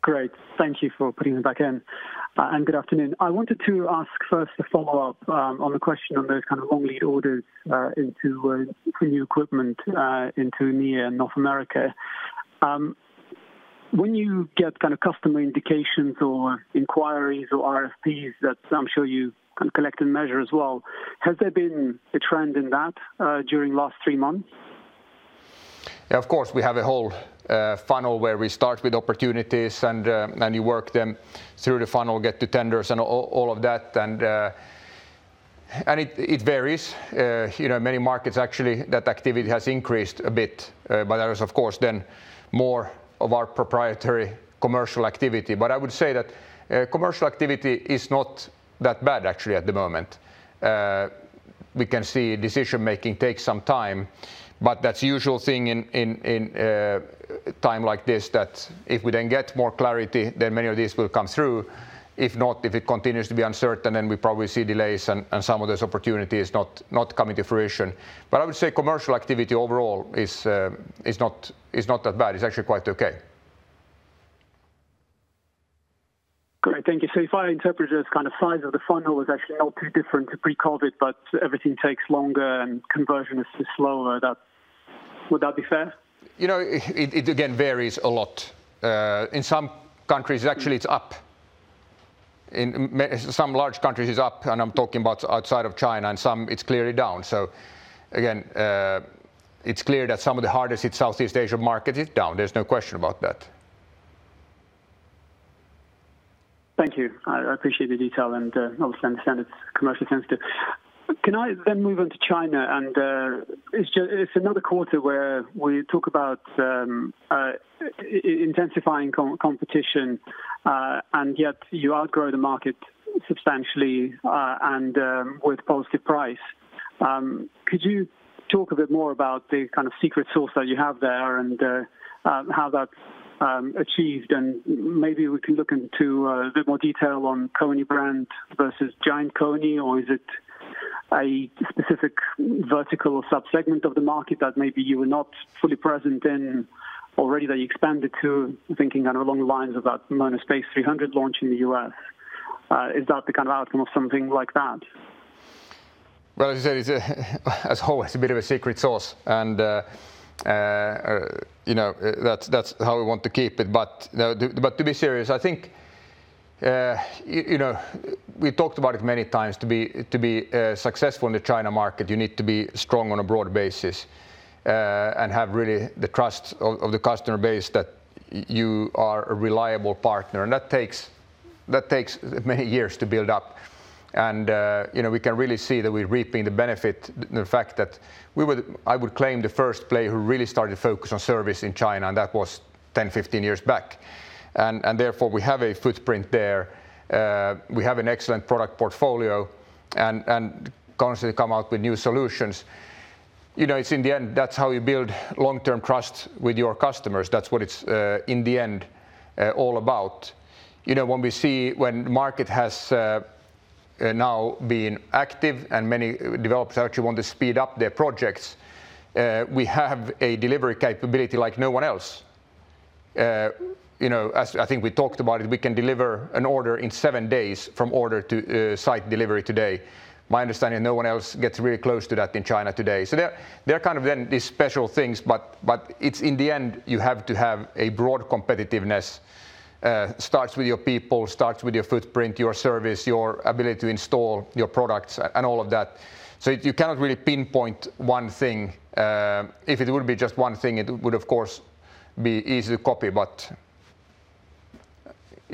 Great. Thank you for putting me back in. Good afternoon. I wanted to ask first a follow-up on the question on those kind of long lead orders into new equipment into EMEA and North America. When you get kind of customer indications or inquiries or RFPs that I'm sure you collect and measure as well, has there been a trend in that during last three months? Yeah, of course, we have a whole funnel where we start with opportunities and then you work them through the funnel, get to tenders and all of that. It varies. Many markets actually, that activity has increased a bit, but there is, of course, then more of our proprietary commercial activity. I would say that commercial activity is not that bad actually at the moment. We can see decision-making takes some time, but that's usual thing in time like this, that if we then get more clarity, then many of these will come through. If not, if it continues to be uncertain, then we probably see delays and some of those opportunities not coming to fruition. I would say commercial activity overall is not that bad. It's actually quite okay. Great. Thank you. If I interpret it as kind of size of the funnel is actually not too different to pre-COVID, but everything takes longer and conversion is slower. Would that be fair? It again varies a lot. In some countries, actually it's up. In some large countries, it's up, and I'm talking about outside of China, and some it's clearly down. Again, it's clear that some of the hardest hit Southeast Asia market is down. There's no question about that. Thank you. I appreciate the detail and obviously understand it's commercially sensitive. Can I move on to China? It's another quarter where we talk about intensifying competition, and yet you outgrow the market substantially and with positive price. Could you talk a bit more about the kind of secret sauce that you have there and how that's achieved? Maybe we can look into a bit more detail on KONE brand versus GiantKONE, or is it a specific vertical sub-segment of the market that maybe you were not fully present in already that you expanded to, thinking along the lines of that MonoSpace 300 launch in the U.S. Is that the kind of outcome of something like that? Well, as I said, as always, a bit of a secret sauce, and that's how we want to keep it. To be serious, I think we talked about it many times. To be successful in the China market, you need to be strong on a broad basis, and have really the trust of the customer base that you are a reliable partner. That takes many years to build up. We can really see that we're reaping the benefit, the fact that I would claim the first player who really started to focus on service in China, and that was 10, 15 years back. Therefore, we have a footprint there. We have an excellent product portfolio and constantly come out with new solutions. It's in the end, that's how you build long-term trust with your customers. That's what it's, in the end, all about. When we see when market has now been active and many developers actually want to speed up their projects, we have a delivery capability like no one else. As I think we talked about it, we can deliver an order in seven days from order to site delivery today. My understanding, no one else gets really close to that in China today. They're kind of then these special things, but it's in the end, you have to have a broad competitiveness. Starts with your people, starts with your footprint, your service, your ability to install your products and all of that. You cannot really pinpoint one thing. If it would be just one thing, it would of course be easy to copy.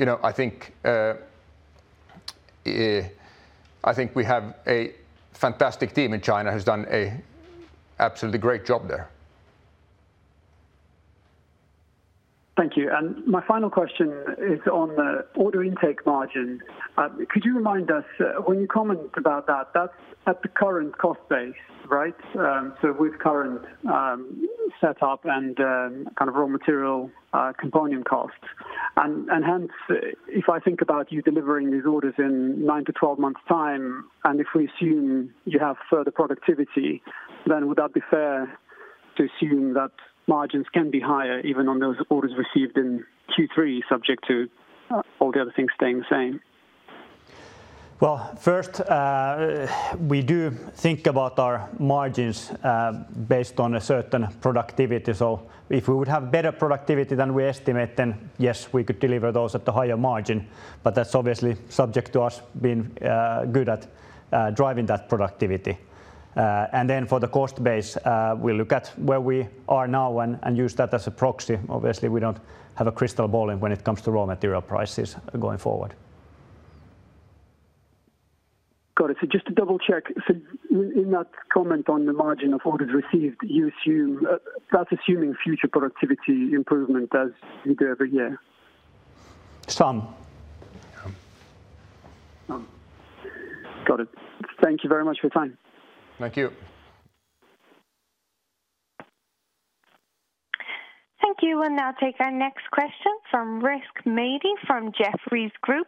I think we have a fantastic team in China, who's done a absolutely great job there. Thank you. My final question is on the order intake margin. Could you remind us, when you comment about that's at the current cost base, right? With current setup and kind of raw material component costs. If I think about you delivering these orders in 9-12 months' time, and if we assume you have further productivity, would that be fair to assume that margins can be higher even on those orders received in Q3, subject to all the other things staying the same? First, we do think about our margins based on a certain productivity. If we would have better productivity than we estimate, then yes, we could deliver those at the higher margin, but that's obviously subject to us being good at driving that productivity. Then for the cost base, we look at where we are now and use that as a proxy. Obviously, we don't have a crystal ball when it comes to raw material prices going forward. Got it. Just to double-check, so in that comment on the margin of orders received, that's assuming future productivity improvement as you go over year? Some. Got it. Thank you very much for your time. Thank you. Thank you. We'll now take our next question from Rizk Maidi from Jefferies Group.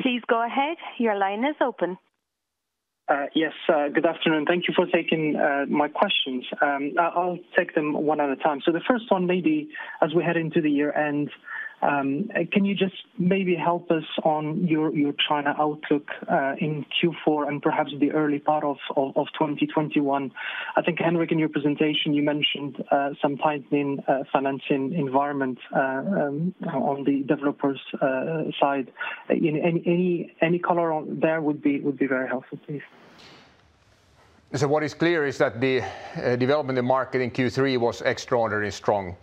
Please go ahead. Your line is open. Yes. Good afternoon. Thank you for taking my questions. I'll take them one at a time. The first one, Maybe, as we head into the year-end, can you just maybe help us on your China outlook in Q4 and perhaps the early part of 2021? I think, Henrik, in your presentation, you mentioned some tightening financing environment on the developers' side. Any color on there would be very helpful, please. What is clear is that the development in the market in Q3 was extraordinarily strong.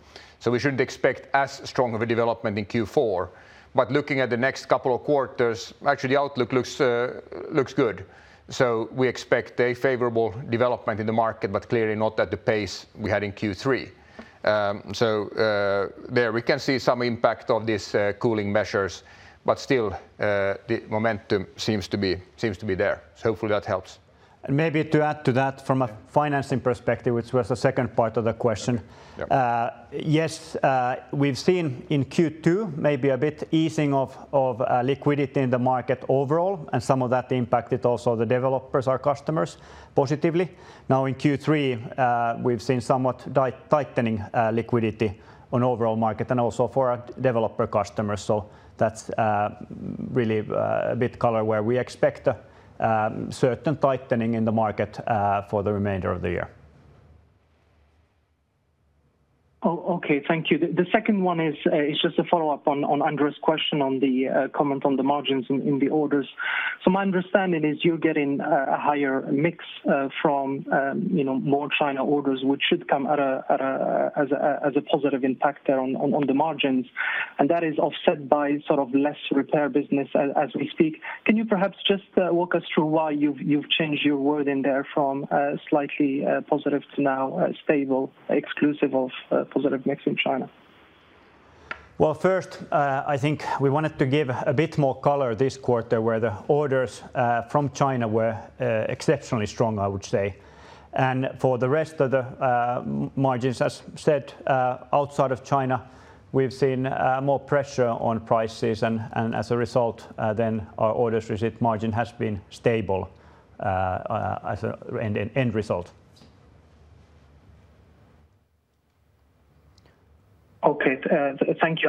We shouldn't expect as strong of a development in Q4. Looking at the next couple of quarters, actually the outlook looks good. We expect a favorable development in the market, but clearly not at the pace we had in Q3. There, we can see some impact of these cooling measures, but still, the momentum seems to be there. Hopefully that helps. Maybe to add to that from a financing perspective, which was the second part of the question. Yeah. Yes, we've seen in Q2 maybe a bit easing of liquidity in the market overall, and some of that impacted also the developers, our customers, positively. Now in Q3, we've seen somewhat tightening liquidity on overall market and also for our developer customers. That's really a bit color where we expect a certain tightening in the market for the remainder of the year. Oh, okay. Thank you. The second one is just a follow-up on Andre's question on the comment on the margins in the orders. My understanding is you're getting a higher mix from more China orders, which should come as a positive impact there on the margins. That is offset by sort of less repair business as we speak. Can you perhaps just walk us through why you've changed your wording there from slightly positive to now stable, exclusive of positive mix in China? Well, first, I think we wanted to give a bit more color this quarter where the orders from China were exceptionally strong, I would say. For the rest of the margins, as said, outside of China, we've seen more pressure on prices, and as a result then, our orders receipt margin has been stable as an end result. Okay. Thank you.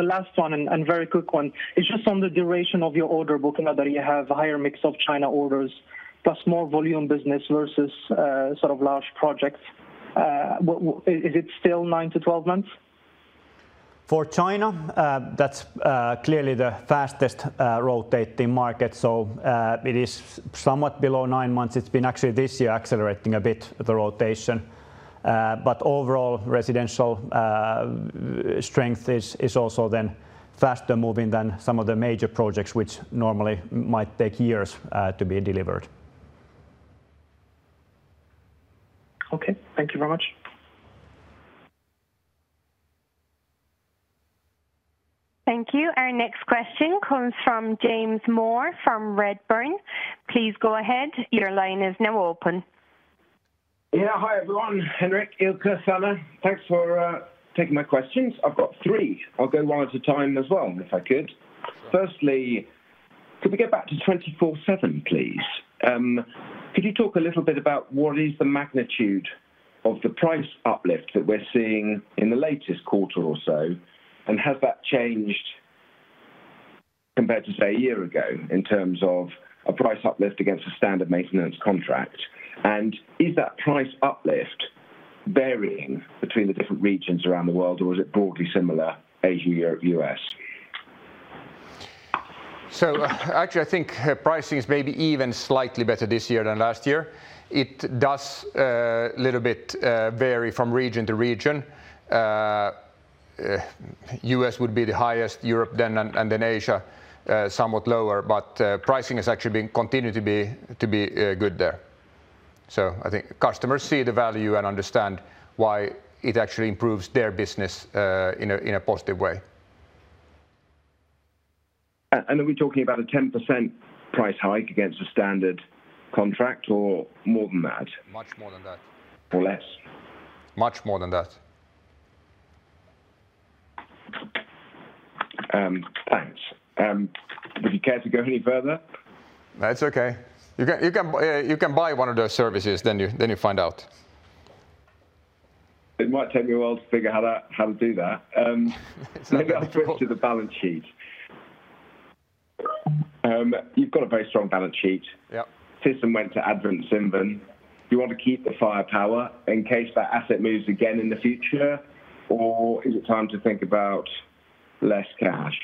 The last one, and very quick one, is just on the duration of your order book now that you have a higher mix of China orders plus more volume business versus large projects. Is it still nine to 12 months? For China, that's clearly the fastest rotating market, so it is somewhat below nine months. It's been actually this year accelerating a bit, the rotation. Overall, residential strength is also then faster moving than some of the major projects which normally might take years to be delivered. Okay. Thank you very much. Thank you. Our next question comes from James Moore from Redburn. Please go ahead. Your line is now open. Yeah. Hi, everyone. Henrik, Ilkka, Sanna, thanks for taking my questions. I've got three. I'll go one at a time as well, if I could. Firstly, could we get back to 24/7, please? Could you talk a little bit about what is the magnitude of the price uplift that we're seeing in the latest quarter or so, and has that changed compared to, say, a year ago in terms of a price uplift against a standard maintenance contract? Is that price uplift varying between the different regions around the world, or is it broadly similar, Asia, Europe, U.S.? Actually, I think pricing is maybe even slightly better this year than last year. It does a little bit vary from region to region. U.S. would be the highest, Europe then, and then Asia somewhat lower. Pricing has actually continued to be good there. I think customers see the value and understand why it actually improves their business in a positive way. Are we talking about a 10% price hike against a standard contract or more than that? Much more than that. Less? Much more than that. Thanks. Would you care to go any further? That's okay. You can buy one of those services, then you find out. It might take me a while to figure how to do that. Maybe I'll switch to the balance sheet. You've got a very strong balance sheet. Yep. thyssenkrupp went to Advent International. Do you want to keep the firepower in case that asset moves again in the future, or is it time to think about less cash?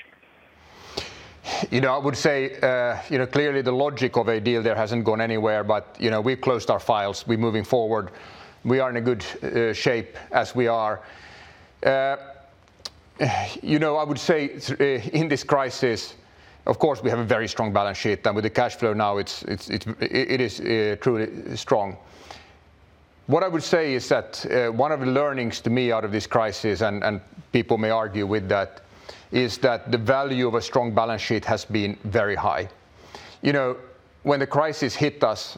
I would say, clearly the logic of a deal there hasn't gone anywhere. We've closed our files. We're moving forward. We are in a good shape as we are. I would say in this crisis, of course, we have a very strong balance sheet. With the cash flow now, it is truly strong. What I would say is that one of the learnings to me out of this crisis, and people may argue with that, is that the value of a strong balance sheet has been very high. When the crisis hit us,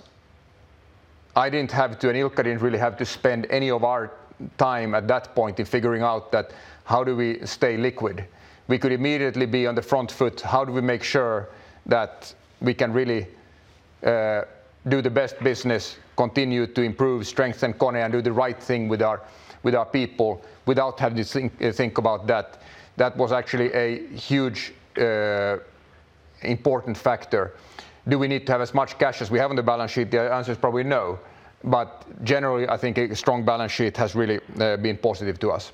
I didn't have to, and Ilkka didn't really have to spend any of our time at that point in figuring out that how do we stay liquid. We could immediately be on the front foot. How do we make sure that we can really do the best business, continue to improve, strengthen KONE, and do the right thing with our people without having to think about that? That was actually a huge important factor. Do we need to have as much cash as we have on the balance sheet? The answer is probably no. Generally, I think a strong balance sheet has really been positive to us.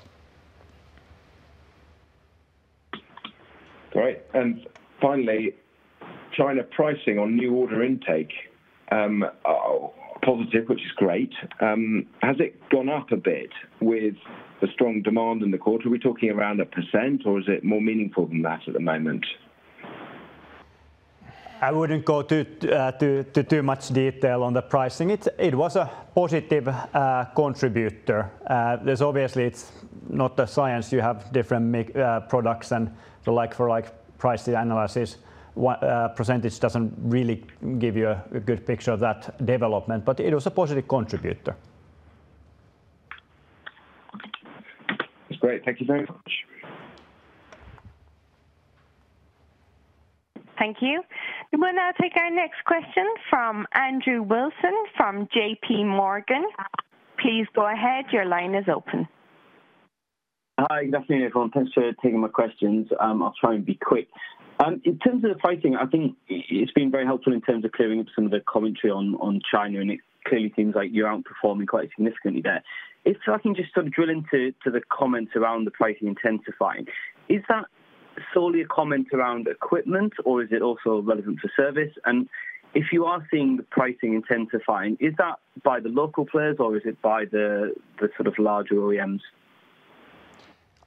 Great. Finally, China pricing on new order intake. Positive, which is great. Has it gone up a bit with the strong demand in the quarter? Are we talking around 1% or is it more meaningful than that at the moment? I wouldn't go to too much detail on the pricing. It was a positive contributor. Obviously, it's not a science. You have different products and the like for like pricing analysis percentage doesn't really give you a good picture of that development. It was a positive contributor. That's great. Thank you very much. Thank you. We will now take our next question from Andrew Wilson from JP Morgan. Please go ahead. Your line is open. Hi. Good afternoon, everyone. Thanks for taking my questions. I'll try and be quick. In terms of the pricing, I think it's been very helpful in terms of clearing up some of the commentary on China, and it clearly seems like you're outperforming quite significantly there. If I can just sort of drill into the comments around the pricing intensifying? Is that solely a comment around equipment or is it also relevant for service? If you are seeing the pricing intensifying, is that by the local players or is it by the larger OEMs?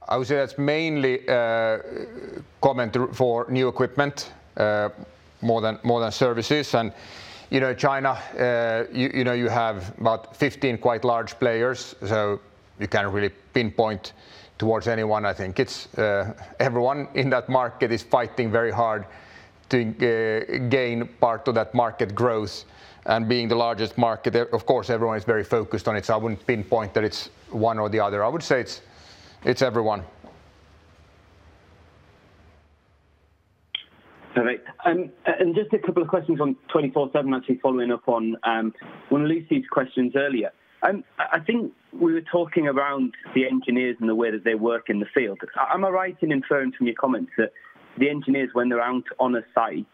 I would say that's mainly a comment for new equipment, more than services. China, you have about 15 quite large players, so you can't really pinpoint towards anyone, I think. Everyone in that market is fighting very hard to gain part of that market growth. Being the largest market there, of course, everyone is very focused on it, so I wouldn't pinpoint that it's one or the other. I would say it's everyone. All right. Just a couple of questions on 24/7, actually following up on one of Lucie's questions earlier. I think we were talking around the engineers and the way that they work in the field. Am I right in inferring from your comments that the engineers, when they're out on a site,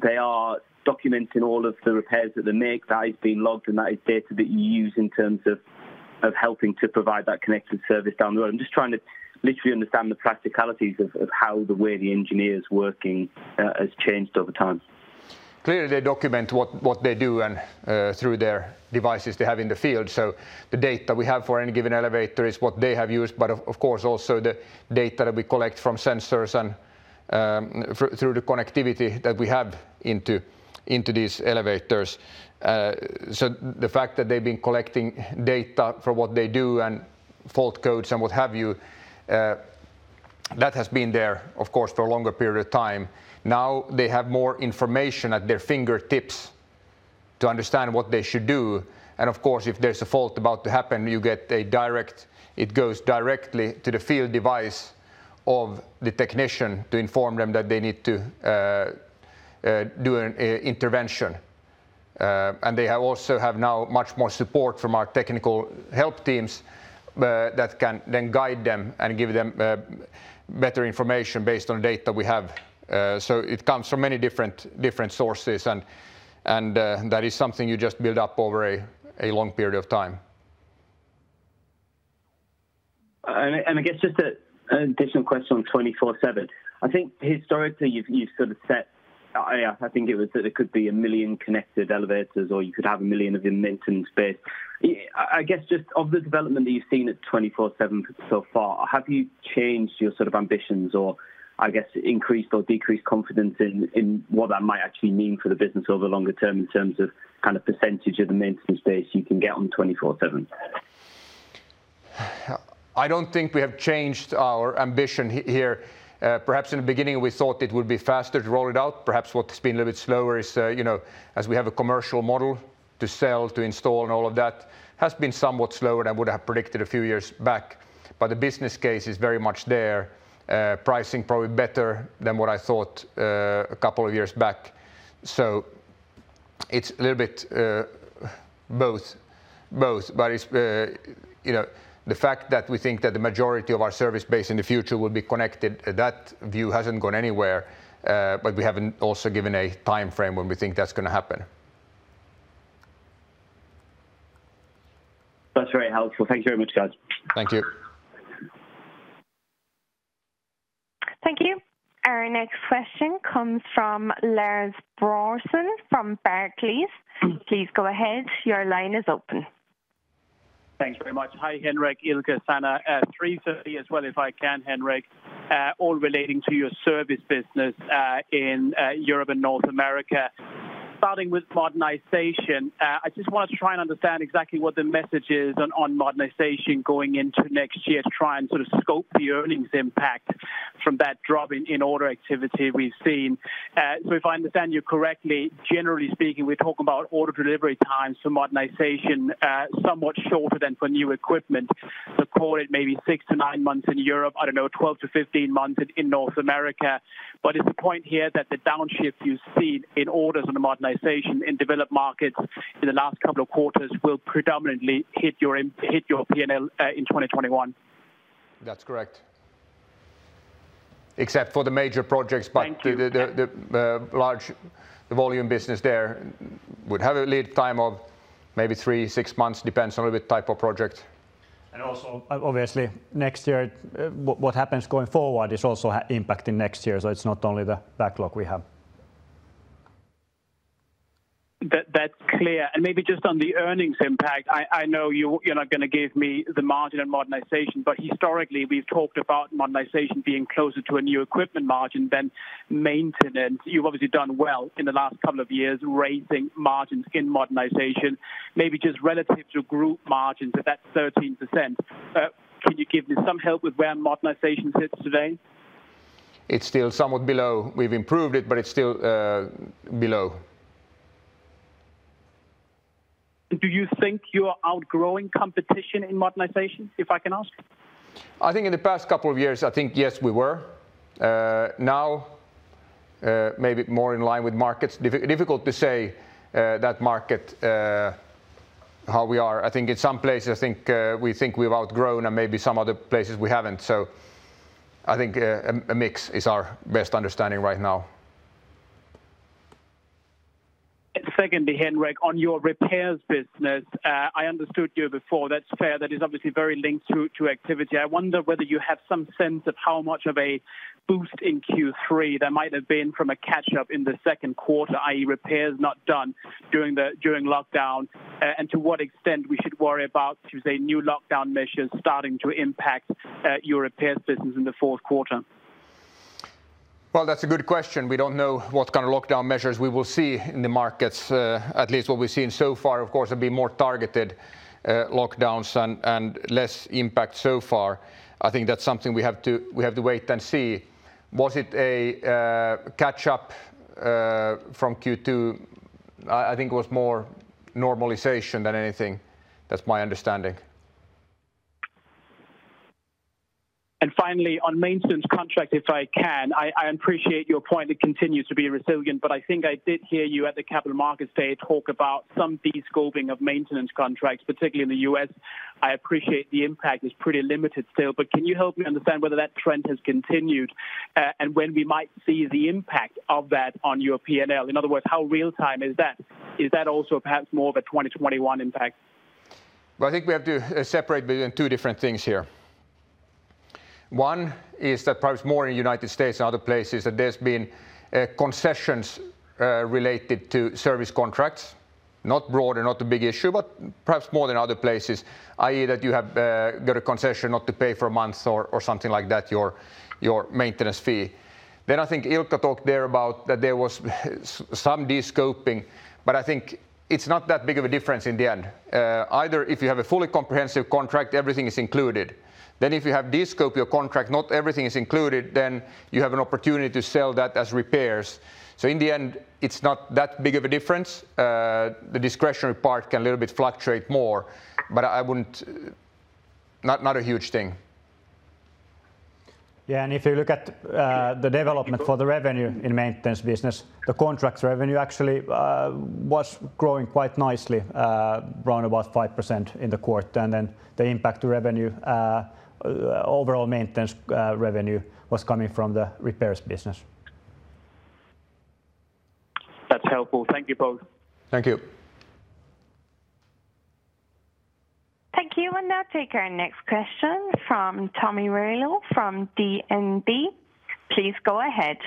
they are documenting all of the repairs that they make, that is being logged, and that is data that you use in terms of helping to provide that connected service down the road? I'm just trying to literally understand the practicalities of how the way the engineers working has changed over time. They document what they do through their devices they have in the field. The data we have for any given elevator is what they have used, but of course, also the data that we collect from sensors and through the connectivity that we have into these elevators. The fact that they've been collecting data for what they do and fault codes and what have you, that has been there, of course, for a longer period of time. Now they have more information at their fingertips to understand what they should do. Of course, if there's a fault about to happen, it goes directly to the field device of the technician to inform them that they need to do an intervention. They also have now much more support from our technical help teams that can then guide them and give them better information based on data we have. It comes from many different sources, and that is something you just build up over a long period of time. I guess just an additional question on 24/7. I think historically, you've sort of set, I think it was that it could be 1 million connected elevators, or you could have 1 million of them maintained space. I guess, just of the development that you've seen at 24/7 so far, have you changed your sort of ambitions or, I guess, increased or decreased confidence in what that might actually mean for the business over the longer term in terms of kind of percentage of the maintenance base you can get on 24/7? I don't think we have changed our ambition here. Perhaps in the beginning, we thought it would be faster to roll it out. Perhaps what has been a little bit slower is, as we have a commercial model to sell, to install, and all of that, has been somewhat slower than I would have predicted a few years back. The business case is very much there. Pricing probably better than what I thought a couple of years back. It's a little bit both. The fact that we think that the majority of our service base in the future will be connected, that view hasn't gone anywhere. We haven't also given a timeframe when we think that's going to happen. That's very helpful. Thank you very much, guys. Thank you. Thank you. Our next question comes from Lars Brorson from Barclays. Please go ahead. Your line is open. Thanks very much. Hi, Henrik, Ilkka, Sanna. Three shortly as well if I can, Henrik, all relating to your service business in Europe and North America. Starting with modernization, I just wanted to try and understand exactly what the message is on modernization going into next year to try and sort of scope the earnings impact from that drop in order activity we've seen. If I understand you correctly, generally speaking, we're talking about order delivery times for modernization somewhat shorter than for new equipment. Call it maybe six to nine months in Europe, I don't know, 12-15 months in North America. Is the point here that the downshift you've seen in orders on the modernization in developed markets in the last couple of quarters will predominantly hit your P&L in 2021? That's correct. Except for the major projects. Thank you. The large volume business there would have a lead time of maybe 3-6 months, depends on a bit type of project. Also, obviously, next year, what happens going forward is also impacting next year. It's not only the backlog we have. That's clear. Maybe just on the earnings impact, I know you're not going to give me the margin on modernization, but historically, we've talked about modernization being closer to a new equipment margin than maintenance. You've obviously done well in the last couple of years raising margins in modernization. Maybe just relative to group margins at that 13%, can you give me some help with where modernization sits today? It's still somewhat below. We've improved it, but it's still below. Do you think you are outgrowing competition in modernization, if I can ask? I think in the past couple of years, I think, yes, we were. Now, maybe more in line with markets. Difficult to say that market, how we are. I think in some places, we think we've outgrown and maybe some other places we haven't. I think a mix is our best understanding right now. Secondly, Henrik, on your repairs business, I understood you before, that's fair. That is obviously very linked to activity. I wonder whether you have some sense of how much of a boost in Q3 there might have been from a catch-up in the second quarter, i.e., repairs not done during lockdown, and to what extent we should worry about, say, new lockdown measures starting to impact your repairs business in the fourth quarter. That's a good question. We don't know what kind of lockdown measures we will see in the markets. At least what we've seen so far, of course, have been more targeted lockdowns and less impact so far. I think that's something we have to wait and see. Was it a catch-up from Q2? I think it was more normalization than anything. That's my understanding. Finally, on maintenance contract, if I can, I appreciate your point. It continues to be resilient. I think I did hear you at the Capital Markets Day talk about some de-scoping of maintenance contracts, particularly in the U.S. I appreciate the impact is pretty limited still. Can you help me understand whether that trend has continued, and when we might see the impact of that on your P&L? In other words, how real time is that? Is that also perhaps more of a 2021 impact? Well, I think we have to separate between two different things here. One is that perhaps more in United States and other places, that there's been concessions related to service contracts, not broad and not a big issue, but perhaps more than other places, i.e., that you have got a concession not to pay for a month or something like that, your maintenance fee. I think Ilkka talked there about that there was some de-scoping, but I think it's not that big of a difference in the end. Either if you have a fully comprehensive contract, everything is included, then if you have de-scope your contract, not everything is included, then you have an opportunity to sell that as repairs. In the end, it's not that big of a difference. The discretionary part can little bit fluctuate more, but not a huge thing. Yeah, if you look at the development for the revenue in maintenance business, the contract revenue actually was growing quite nicely, around about 5% in the quarter. The impact to revenue, overall maintenance revenue was coming from the repairs business. That's helpful. Thank you both. Thank you. Thank you. We'll now take our question from Tomi Railo from DNB. Please go ahead.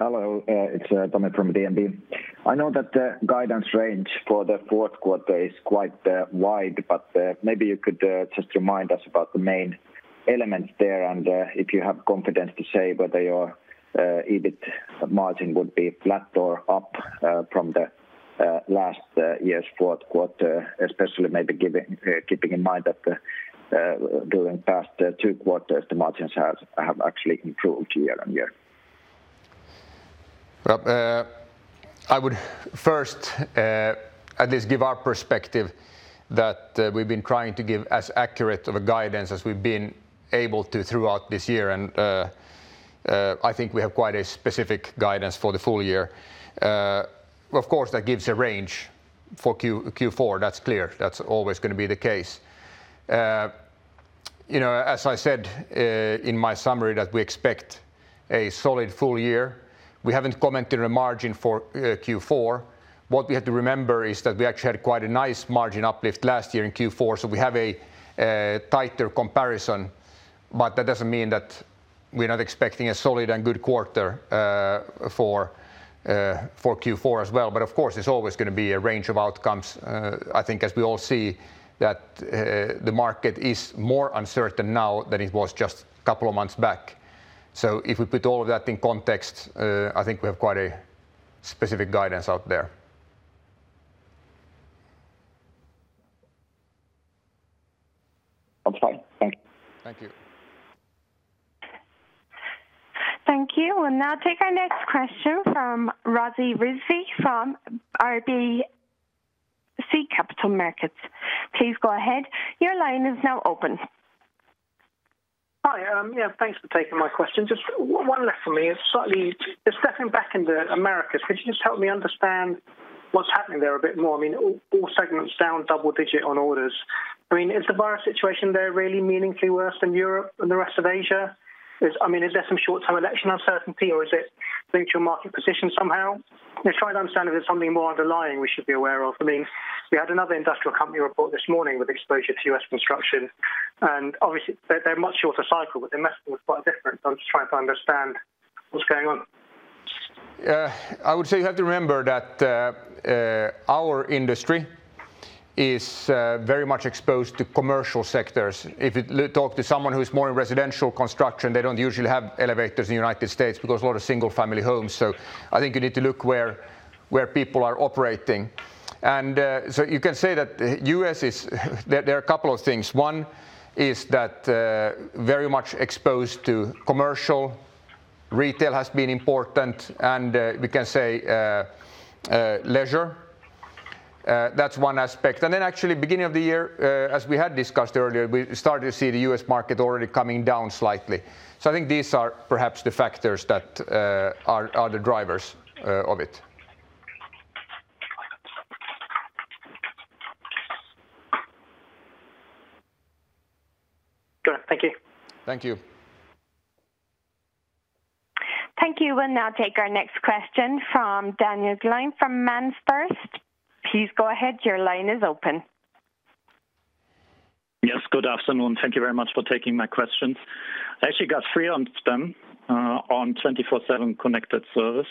Hello, it's Tomi from DNB. I know that the guidance range for the fourth quarter is quite wide, maybe you could just remind us about the main elements there and if you have confidence to say whether your EBIT margin would be flat or up from the last year's fourth quarter, especially maybe keeping in mind that during the past two quarters, the margins have actually improved year-on-year. Well, I would first at least give our perspective that we've been trying to give as accurate of a guidance as we've been able to throughout this year. I think we have quite a specific guidance for the full year. Of course, that gives a range for Q4. That's clear. That's always going to be the case. As I said in my summary, that we expect a solid full year. We haven't commented a margin for Q4. What we have to remember is that we actually had quite a nice margin uplift last year in Q4, so we have a tighter comparison, but that doesn't mean that we're not expecting a solid and good quarter for Q4 as well. Of course, there's always going to be a range of outcomes. I think as we all see that the market is more uncertain now than it was just a couple of months back. If we put all of that in context, I think we have quite a specific guidance out there. Okay, thanks. Thank you. Thank you. We'll now take our next question from Nick Housden from RBC Capital Markets. Please go ahead. Your line is now open. Hi, yeah, thanks for taking my question. Just one last for me. It's stepping back in the Americas. Could you just help me understand what's happening there a bit more? I mean, all segments down double digit on orders. I mean, is the virus situation there really meaningfully worse than Europe and the rest of Asia is? I mean, is there some short-term election uncertainty or is it linked to your market position somehow? Just trying to understand if there's something more underlying we should be aware of. I mean, we had another industrial company report this morning with exposure to U.S. construction, and obviously they're much shorter cycle, but their message was quite different. I'm just trying to understand what's going on. I would say you have to remember that our industry is very much exposed to commercial sectors. If you talk to someone who's more in residential construction, they don't usually have elevators in the U.S. because a lot of single family homes. I think you need to look where people are operating. You can say that U.S. There are a couple of things. One is that very much exposed to commercial, retail has been important, and we can say leisure. That's one aspect. Actually beginning of the year, as we had discussed earlier, we started to see the U.S. market already coming down slightly. I think these are perhaps the factors that are the drivers of it. Got it. Thank you. Thank you. Thank you. We'll now take our next question from Daniel Gleim from MainFirst. Please go ahead. Your line is open. Yes, good afternoon. Thank you very much for taking my questions. I actually got three on them, on 24/7 Connected Services,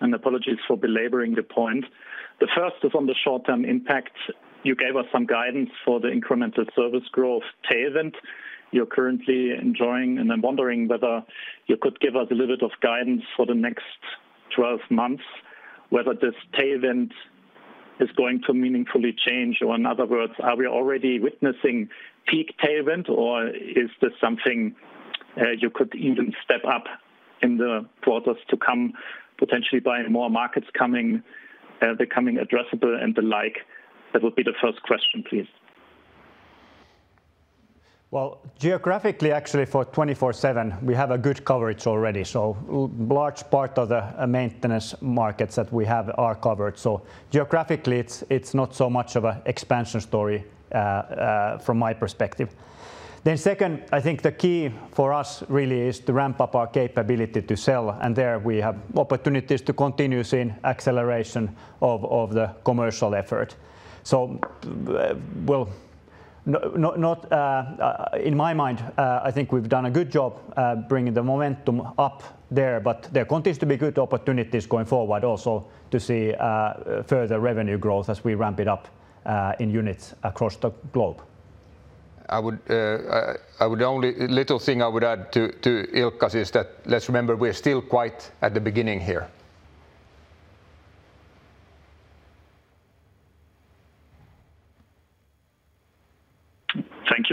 and apologies for belaboring the point. The first is on the short-term impact. You gave us some guidance for the incremental service growth tail event you're currently enjoying, and I'm wondering whether you could give us a little bit of guidance for the next 12 months, whether this tail event is going to meaningfully change, or in other words, are we already witnessing peak tail event, or is this something you could even step up in the quarters to come, potentially by more markets becoming addressable and the like. That will be the first question, please. Well, geographically, actually for 24/7, we have a good coverage already. Large part of the maintenance markets that we have are covered. Geographically, it's not so much of an expansion story from my perspective. Second, I think the key for us really is to ramp up our capability to sell. There we have opportunities to continue seeing acceleration of the commercial effort. In my mind, I think we've done a good job bringing the momentum up there, but there continues to be good opportunities going forward also to see further revenue growth as we ramp it up in units across the globe. The only little thing I would add to Ilkka is that, let's remember, we're still quite at the beginning here.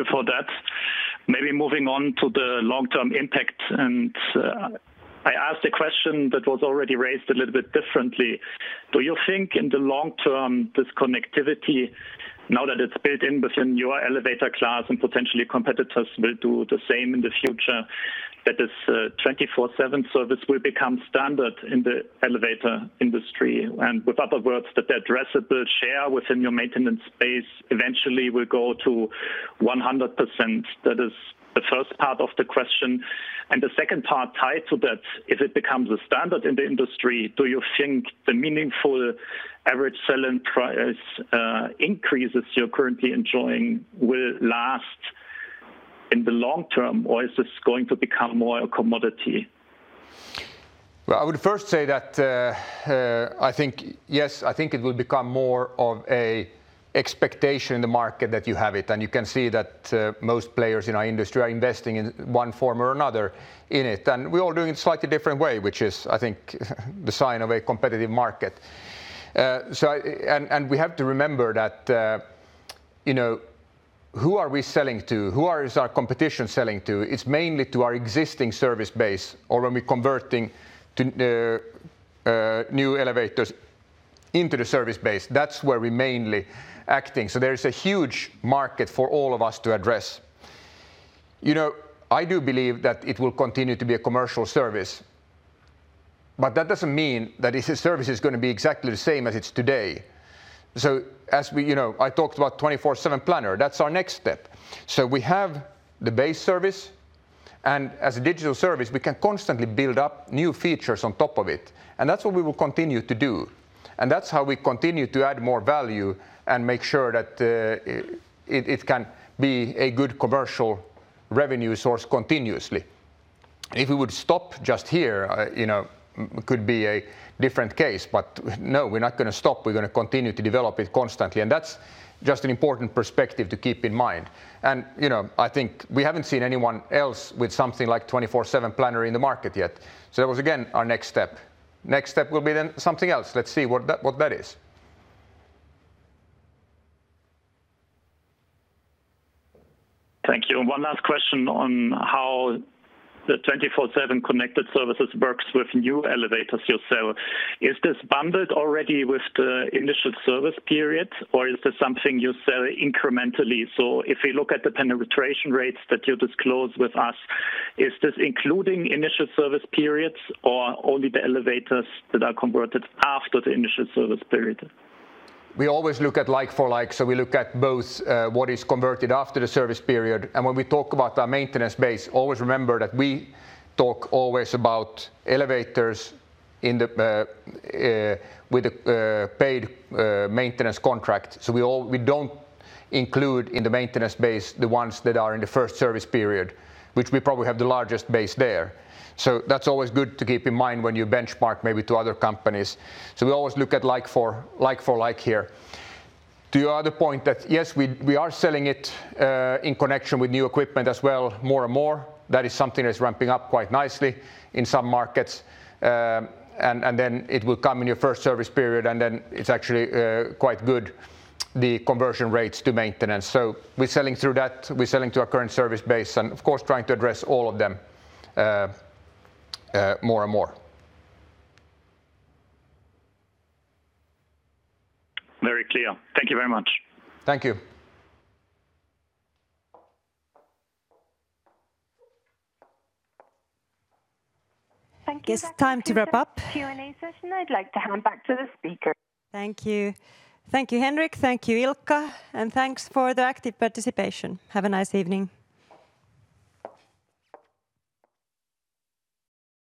Thank you for that. Maybe moving on to the long-term impact. I asked a question that was already raised a little bit differently. Do you think in the long term this connectivity, now that it's built in within your elevator class and potentially competitors will do the same in the future, that this 24/7 service will become standard in the elevator industry? With other words, that the addressable share within your maintenance base eventually will go to 100%? That is the first part of the question. The second part tied to that, if it becomes a standard in the industry, do you think the meaningful average selling price increases you're currently enjoying will last in the long term, or is this going to become more a commodity? I would first say that, yes, I think it will become more of an expectation in the market that you have it. You can see that most players in our industry are investing in one form or another in it. We're all doing it in a slightly different way, which is, I think the sign of a competitive market. We have to remember that who are we selling to? Who is our competition selling to? It's mainly to our existing service base, or when we're converting new elevators into the service base. That's where we're mainly acting. There is a huge market for all of us to address. I do believe that it will continue to be a commercial service, but that doesn't mean that this service is going to be exactly the same as it's today. I talked about 24/7 Planner. That's our next step. We have the base service, and as a digital service, we can constantly build up new features on top of it. That's what we will continue to do. That's how we continue to add more value and make sure that it can be a good commercial revenue source continuously. If we would stop just here, it could be a different case. No, we're not going to stop. We're going to continue to develop it constantly. That's just an important perspective to keep in mind. I think we haven't seen anyone else with something like 24/7 Planner in the market yet. That was, again, our next step. Next step will be then something else. Let's see what that is. Thank you. One last question on how the 24/7 Connected Services works with new elevators you sell. Is this bundled already with the initial service period, or is this something you sell incrementally? If we look at the penetration rates that you disclose with us, is this including initial service periods or only the elevators that are converted after the initial service period? We always look at like for like, so we look at both what is converted after the service period. When we talk about our maintenance base, always remember that we talk always about elevators with a paid maintenance contract. We don't include in the maintenance base the ones that are in the first service period, which we probably have the largest base there. That's always good to keep in mind when you benchmark maybe to other companies. We always look at like for like here. To your other point that, yes, we are selling it in connection with new equipment as well more and more. That is something that's ramping up quite nicely in some markets. It will come in your first service period, and then it's actually quite good, the conversion rates to maintenance. We're selling through that. We're selling to our current service base and of course, trying to address all of them more and more. Very clear. Thank you very much. Thank you. Thank you. It's time to wrap up. Q&A session. I'd like to hand back to the speakers. Thank you. Thank you, Henrik. Thank you, Ilkka. Thanks for the active participation. Have a nice evening.